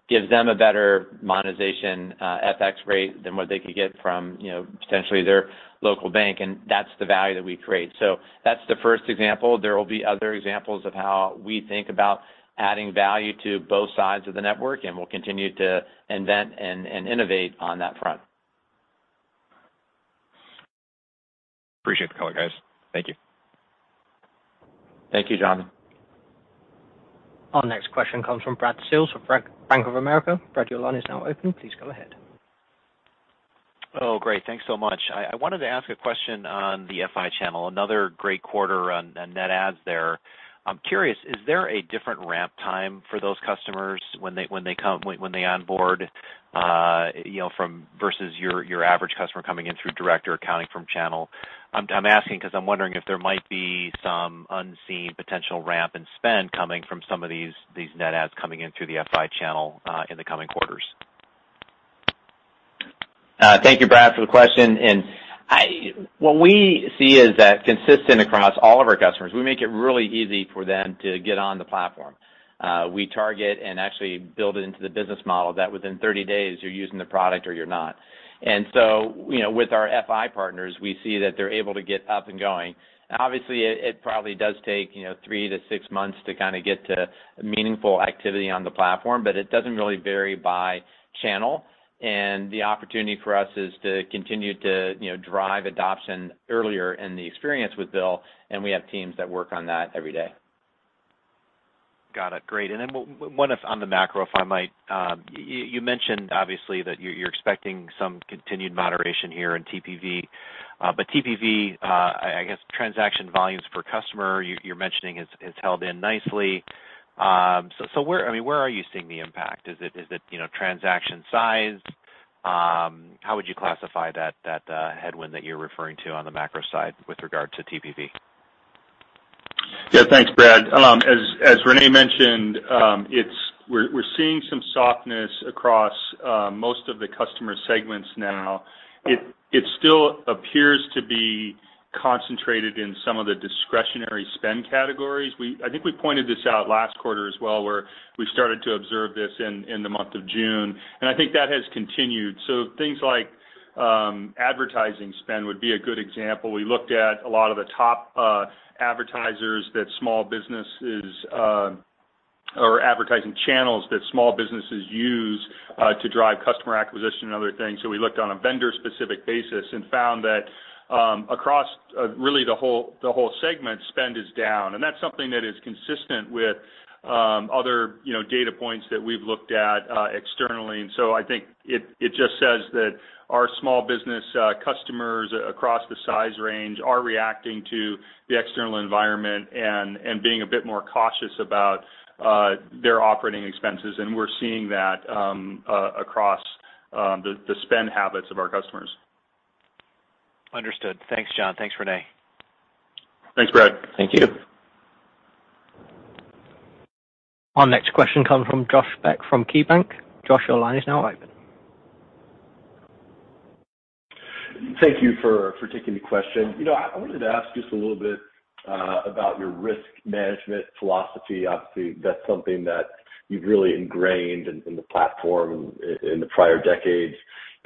[SPEAKER 3] gives them a better monetization, FX rate than what they could get from, you know, potentially their local bank, and that's the value that we create. That's the first example. There will be other examples of how we think about adding value to both sides of the network, and we'll continue to invent and innovate on that front.
[SPEAKER 11] Appreciate the color, guys. Thank you.
[SPEAKER 3] Thank you, Jonathan.
[SPEAKER 1] Our next question comes from Brad Sills from Bank of America. Brad, your line is now open. Please go ahead.
[SPEAKER 12] Oh, great. Thanks so much. I wanted to ask a question on the FI channel, another great quarter on net adds there. I'm curious, is there a different ramp time for those customers when they onboard versus your average customer coming in through direct or accounting firm channel? I'm asking 'cause I'm wondering if there might be some unseen potential ramp in spend coming from some of these net adds coming in through the FI channel in the coming quarters.
[SPEAKER 3] Thank you, Brad, for the question. What we see is that consistent across all of our customers, we make it really easy for them to get on the platform. We target and actually build it into the business model that within 30 days you're using the product or you're not. You know, with our FI partners, we see that they're able to get up and going. Obviously, it probably does take, you know, three to six months to kinda get to meaningful activity on the platform, but it doesn't really vary by channel. The opportunity for us is to continue to, you know, drive adoption earlier in the experience with BILL. We have teams that work on that every day.
[SPEAKER 12] Got it. Great. On the macro, if I might. You mentioned obviously that you're expecting some continued moderation here in TPV, but TPV, I guess transaction volumes per customer you're mentioning has held up nicely. So, I mean, where are you seeing the impact? Is it transaction size? How would you classify that headwind that you're referring to on the macro side with regard to TPV?
[SPEAKER 4] Yeah. Thanks, Brad. As René mentioned, we're seeing some softness across most of the customer segments now. It still appears to be concentrated in some of the discretionary spend categories. I think we pointed this out last quarter as well, where we started to observe this in the month of June, and I think that has continued. Things like advertising spend would be a good example. We looked at a lot of the top advertisers that small businesses or advertising channels that small businesses use to drive customer acquisition and other things. We looked on a vendor-specific basis and found that across really the whole segment, spend is down. That's something that is consistent with other, you know, data points that we've looked at externally. I think it just says that our small business customers across the size range are reacting to the external environment and being a bit more cautious about their operating expenses, and we're seeing that across the spend habits of our customers.
[SPEAKER 12] Understood. Thanks, John. Thanks, René.
[SPEAKER 4] Thanks, Brad.
[SPEAKER 3] Thank you.
[SPEAKER 1] Our next question comes from Josh Beck from KeyBanc. Josh, your line is now open.
[SPEAKER 13] Thank you for taking the question. You know, I wanted to ask just a little bit about your risk management philosophy. Obviously, that's something that you've really ingrained in the platform in the prior decades.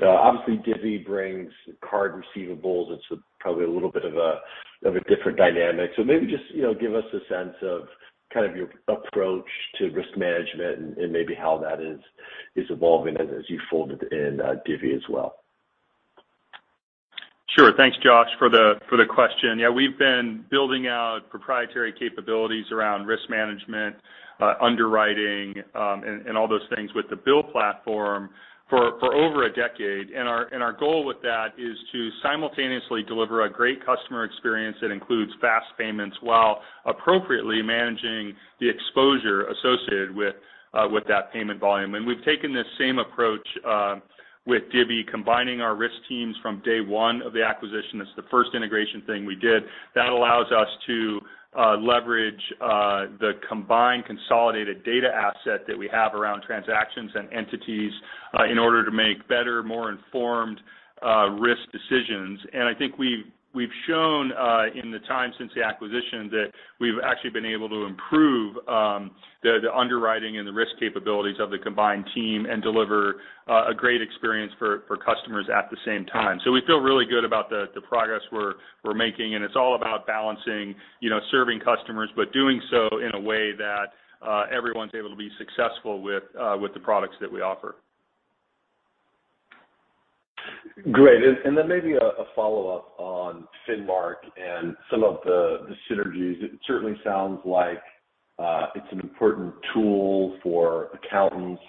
[SPEAKER 13] Obviously Divvy brings card receivables. It's probably a little bit of a different dynamic. Maybe just, you know, give us a sense of kind of your approach to risk management and maybe how that is evolving as you folded in Divvy as well.
[SPEAKER 4] Sure. Thanks, Josh, for the question. Yeah, we've been building out proprietary capabilities around risk management, underwriting, and all those things with the BILL platform for over a decade. Our goal with that is to simultaneously deliver a great customer experience that includes fast payments while appropriately managing the exposure associated with that payment volume. We've taken the same approach with Divvy, combining our risk teams from day one of the acquisition. That's the first integration thing we did. That allows us to leverage the combined consolidated data asset that we have around transactions and entities in order to make better, more informed risk decisions. I think we've shown in the time since the acquisition that we've actually been able to improve the underwriting and the risk capabilities of the combined team and deliver a great experience for customers at the same time. We feel really good about the progress we're making, and it's all about balancing, you know, serving customers, but doing so in a way that everyone's able to be successful with the products that we offer.
[SPEAKER 13] Great. Then maybe a follow-up on Finmark and some of the synergies. It certainly sounds like it's an important tool for accountants.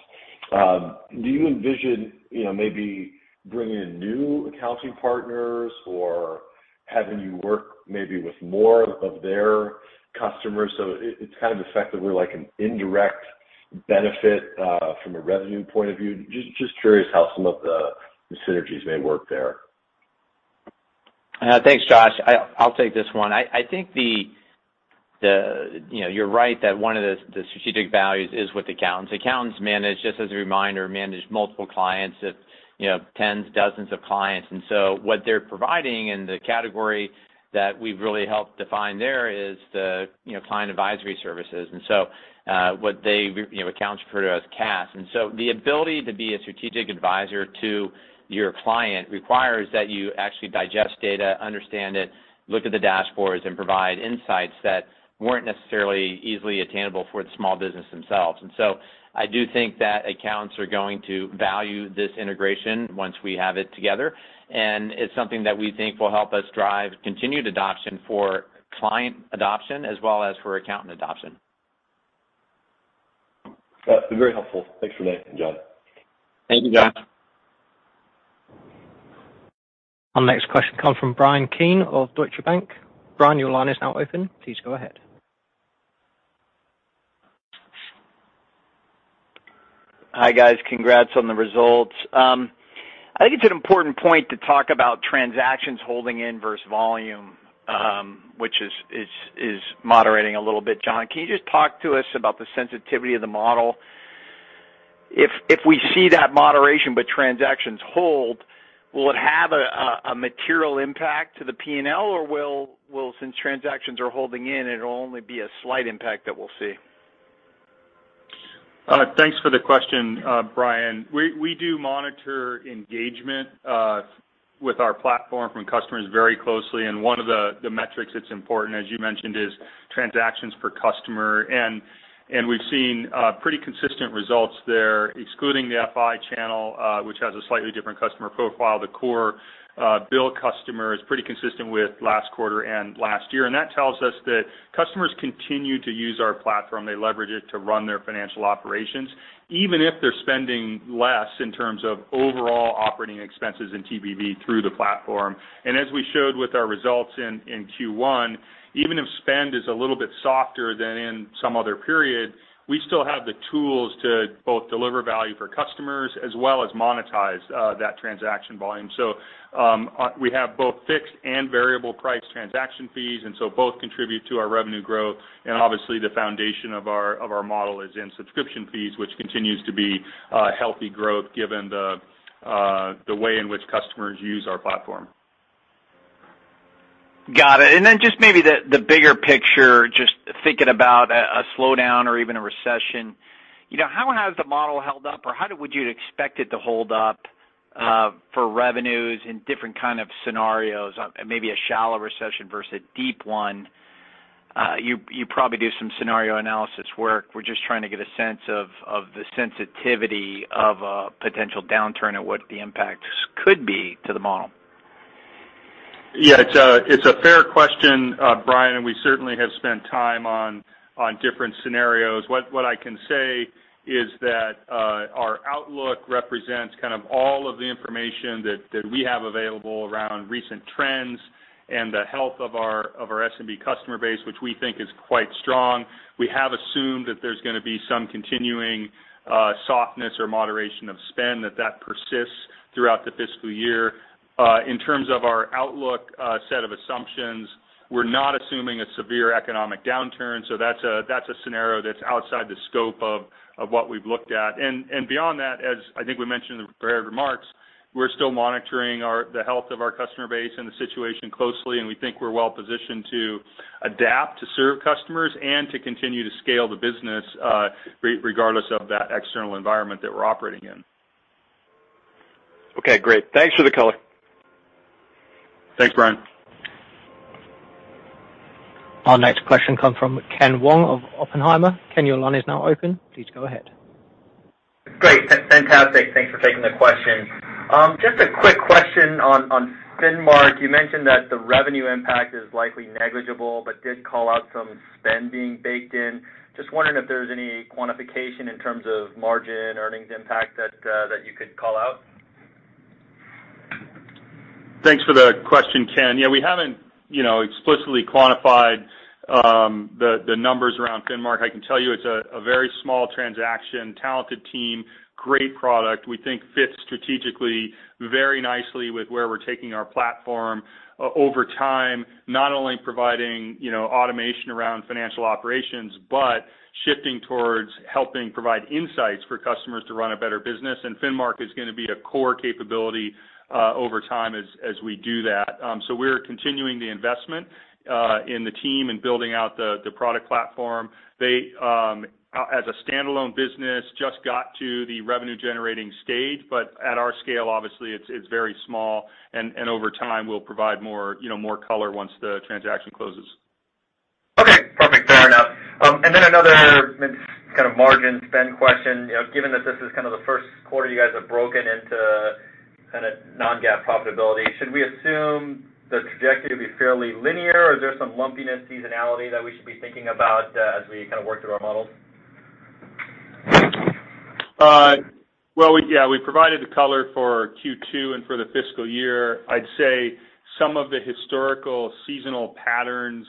[SPEAKER 13] Do you envision, you know, maybe bringing in new accounting partners or having you work maybe with more of their customers, so it's kind of effectively like an indirect benefit from a revenue point of view? Just curious how some of the synergies may work there.
[SPEAKER 3] Thanks, Josh. I'll take this one. I think you know, you're right that one of the strategic values is with accountants. Accountants manage, just as a reminder, manage multiple clients that, you know, tens, dozens of clients. What they're providing in the category that we've really helped define there is the, you know, client advisory services. What they, you know, refer to as CAS. The ability to be a strategic advisor to your client requires that you actually digest data, understand it, look at the dashboards, and provide insights that weren't necessarily easily attainable for the small business themselves. I do think that accountants are going to value this integration once we have it together. It's something that we think will help us drive continued adoption for client adoption as well as for accountant adoption.
[SPEAKER 13] That's been very helpful. Thanks, René and John.
[SPEAKER 3] Thank you, Josh.
[SPEAKER 4] Thank you.
[SPEAKER 1] Our next question comes from Bryan Keane of Deutsche Bank. Bryan, your line is now open. Please go ahead.
[SPEAKER 14] Hi, guys. Congrats on the results. I think it's an important point to talk about transactions holding in versus volume, which is moderating a little bit. John, can you just talk to us about the sensitivity of the model? If we see that moderation but transactions hold, will it have a material impact to the P&L, or will, since transactions are holding in, it'll only be a slight impact that we'll see?
[SPEAKER 4] Thanks for the question, Bryan. We do monitor engagement with our platform from customers very closely, and one of the metrics that's important, as you mentioned, is transactions per customer. We've seen pretty consistent results there, excluding the FI channel, which has a slightly different customer profile. The core BILL customer is pretty consistent with last quarter and last year, and that tells us that customers continue to use our platform. They leverage it to run their financial operations, even if they're spending less in terms of overall operating expenses in the BILL through the platform. As we showed with our results in Q1, even if spend is a little bit softer than in some other period, we still have the tools to both deliver value for customers as well as monetize that transaction volume. We have both fixed and variable price transaction fees, and so both contribute to our revenue growth, and obviously the foundation of our model is in subscription fees, which continues to be healthy growth given the way in which customers use our platform.
[SPEAKER 14] Got it. Just maybe the bigger picture, just thinking about a slowdown or even a recession. You know, how has the model held up, or how would you expect it to hold up, for revenues in different kind of scenarios, maybe a shallow recession versus a deep one? You probably do some scenario analysis work. We're just trying to get a sense of the sensitivity of a potential downturn and what the impacts could be to the model.
[SPEAKER 4] Yeah. It's a fair question, Bryan, and we certainly have spent time on different scenarios. What I can say is that our outlook represents kind of all of the information that we have available around recent trends and the health of our SMB customer base, which we think is quite strong. We have assumed that there's gonna be some continuing softness or moderation of spend that persists throughout the fiscal year. In terms of our outlook set of assumptions, we're not assuming a severe economic downturn, so that's a scenario that's outside the scope of what we've looked at. Beyond that, as I think we mentioned in the prepared remarks, we're still monitoring the health of our customer base and the situation closely, and we think we're well positioned to adapt to serve customers and to continue to scale the business, regardless of that external environment that we're operating in.
[SPEAKER 14] Okay. Great. Thanks for the color.
[SPEAKER 4] Thanks, Bryan.
[SPEAKER 1] Our next question comes from Ken Wong of Oppenheimer. Ken, your line is now open. Please go ahead.
[SPEAKER 15] Great. Fantastic. Thanks for taking the question. Just a quick question on Finmark. You mentioned that the revenue impact is likely negligible, but did call out some spend being baked in. Just wondering if there's any quantification in terms of margin earnings impact that you could call out.
[SPEAKER 4] Thanks for the question, Ken. Yeah, we haven't, you know, explicitly quantified the numbers around Finmark. I can tell you it's a very small transaction, talented team, great product, we think fits strategically very nicely with where we're taking our platform over time, not only providing, you know, automation around financial operations, but shifting towards helping provide insights for customers to run a better business. Finmark is gonna be a core capability over time as we do that. We're continuing the investment in the team and building out the product platform. They, as a standalone business, just got to the revenue generating stage, but at our scale, obviously it's very small and over time, we'll provide more, you know, more color once the transaction closes.
[SPEAKER 15] Okay. Perfect. Fair enough. Another kind of margin spend question. You know, given that this is kind of the first quarter you guys have broken into kind of non-GAAP profitability, should we assume the trajectory to be fairly linear, or is there some lumpiness seasonality that we should be thinking about, as we kind of work through our models?
[SPEAKER 4] Well, yeah, we provided the color for Q2 and for the fiscal year. I'd say some of the historical seasonal patterns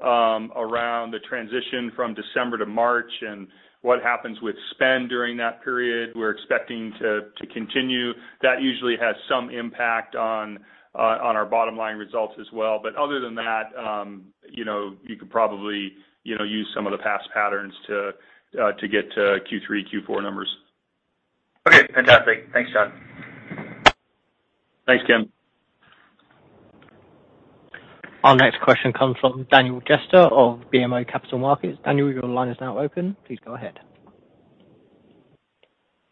[SPEAKER 4] around the transition from December to March and what happens with spend during that period, we're expecting to continue. That usually has some impact on our bottom line results as well. Other than that, you know, you could probably, you know, use some of the past patterns to get to Q3, Q4 numbers.
[SPEAKER 15] Okay, fantastic. Thanks, John.
[SPEAKER 4] Thanks, Ken.
[SPEAKER 1] Our next question comes from Daniel Jester of BMO Capital Markets. Daniel, your line is now open. Please go ahead.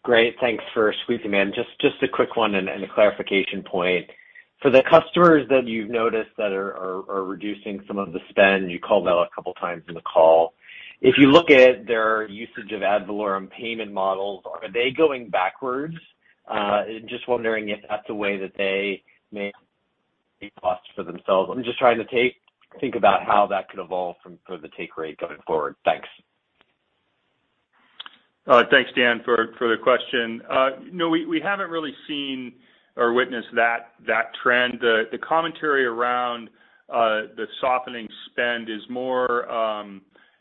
[SPEAKER 16] Great. Thanks for squeezing me in. Just a quick one and a clarification point. For the customers that you've noticed that are reducing some of the spend, you called out a couple of times in the call. If you look at their usage of ad valorem payment models, are they going backwards? Just wondering if that's a way that they may cut costs for themselves. I'm just trying to think about how that could evolve for the take rate going forward. Thanks.
[SPEAKER 4] Thanks, Dan, for the question. No, we haven't really seen or witnessed that trend. The commentary around the softening spend is more,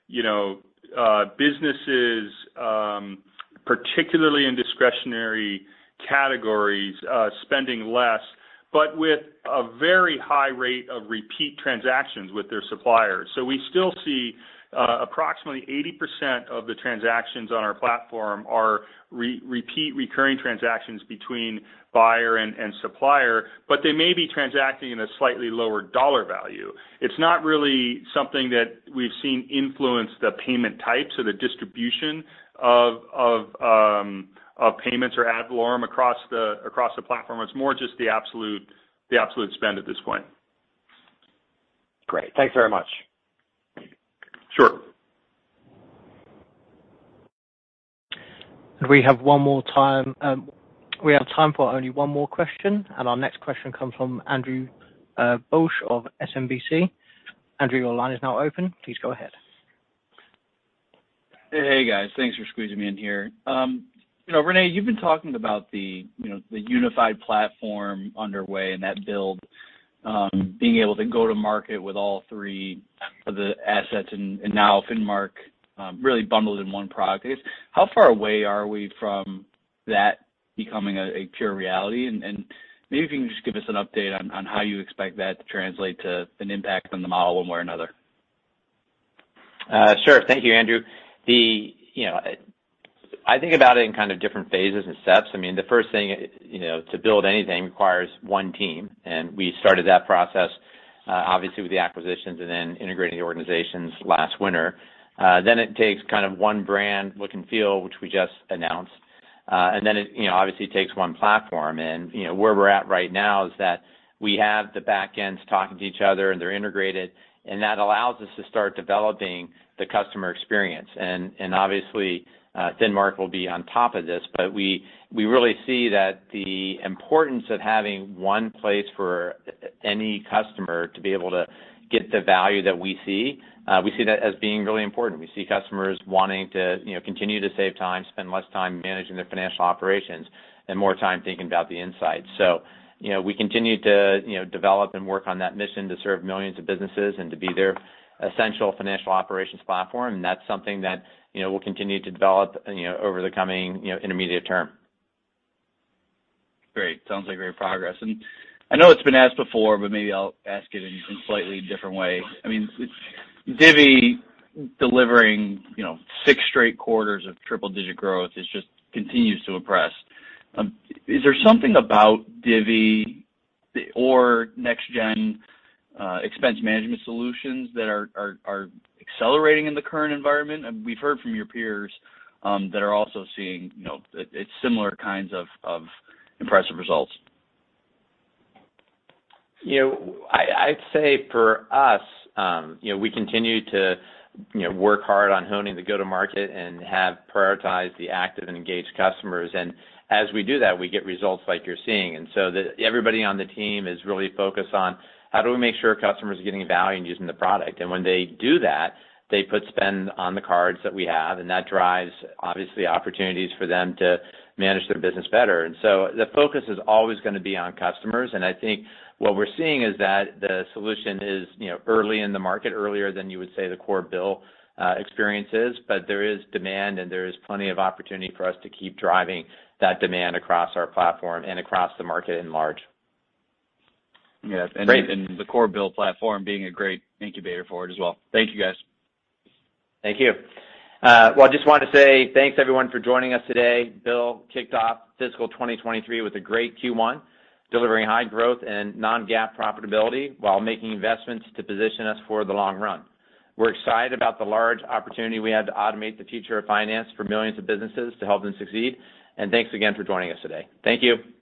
[SPEAKER 4] you know, businesses, particularly in discretionary categories, spending less, but with a very high rate of repeat transactions with their suppliers. We still see approximately 80% of the transactions on our platform are repeat recurring transactions between buyer and supplier, but they may be transacting in a slightly lower dollar value. It's not really something that we've seen influence the payment types or the distribution of payments or ad valorem across the platform. It's more just the absolute spend at this point.
[SPEAKER 16] Great. Thanks very much.
[SPEAKER 4] Sure.
[SPEAKER 1] We have one more time. We have time for only one more question, and our next question comes from Andrew Bauch of SMBC. Andrew, your line is now open. Please go ahead.
[SPEAKER 17] Hey, guys. Thanks for squeezing me in here. You know, René, you've been talking about the unified platform underway and that build being able to go to market with all three of the assets and now Finmark really bundled in one product. I guess how far away are we from that becoming a pure reality? Maybe if you can just give us an update on how you expect that to translate to an impact on the model one way or another.
[SPEAKER 3] Sure. Thank you, Andrew. You know, I think about it in kind of different phases and steps. I mean, the first thing, you know, to build anything requires one team, and we started that process, obviously with the acquisitions and then integrating the organizations last winter. Then it takes kind of one brand look and feel, which we just announced. And then, you know, obviously it takes one platform. And, you know, where we're at right now is that we have the backends talking to each other, and they're integrated, and that allows us to start developing the customer experience. And obviously, Finmark will be on top of this. But we really see that the importance of having one place for any customer to be able to get the value that we see. We see that as being really important. We see customers wanting to, you know, continue to save time, spend less time managing their financial operations, and more time thinking about the insights. You know, we continue to, you know, develop and work on that mission to serve millions of businesses and to be their essential financial operations platform. That's something that, you know, we'll continue to develop, you know, over the coming, you know, intermediate term.
[SPEAKER 17] Great. Sounds like great progress. I know it's been asked before, but maybe I'll ask it in slightly different way. I mean, Divvy delivering, you know, six straight quarters of triple-digit growth is just continues to impress. Is there something about Divvy or next-gen expense management solutions that are accelerating in the current environment? We've heard from your peers that are also seeing, you know, it's similar kinds of impressive results.
[SPEAKER 3] You know, I'd say for us, you know, we continue to, you know, work hard on honing the go-to-market and have prioritized the active and engaged customers. As we do that, we get results like you're seeing. Everybody on the team is really focused on how do we make sure customers are getting value in using the product. When they do that, they put spend on the cards that we have, and that drives obviously opportunities for them to manage their business better. The focus is always gonna be on customers. I think what we're seeing is that the solution is, you know, early in the market, earlier than you would say the core BILL, experience is. There is demand, and there is plenty of opportunity for us to keep driving that demand across our platform and across the market at large.
[SPEAKER 17] Yeah.
[SPEAKER 3] Great.
[SPEAKER 17] The core BILL platform being a great incubator for it as well. Thank you, guys.
[SPEAKER 3] Thank you. Well, I just wanted to say thanks everyone for joining us today. BILL kicked off fiscal 2023 with a great Q1, delivering high growth and non-GAAP profitability while making investments to position us for the long run. We're excited about the large opportunity we have to automate the future of finance for millions of businesses to help them succeed. Thanks again for joining us today. Thank you.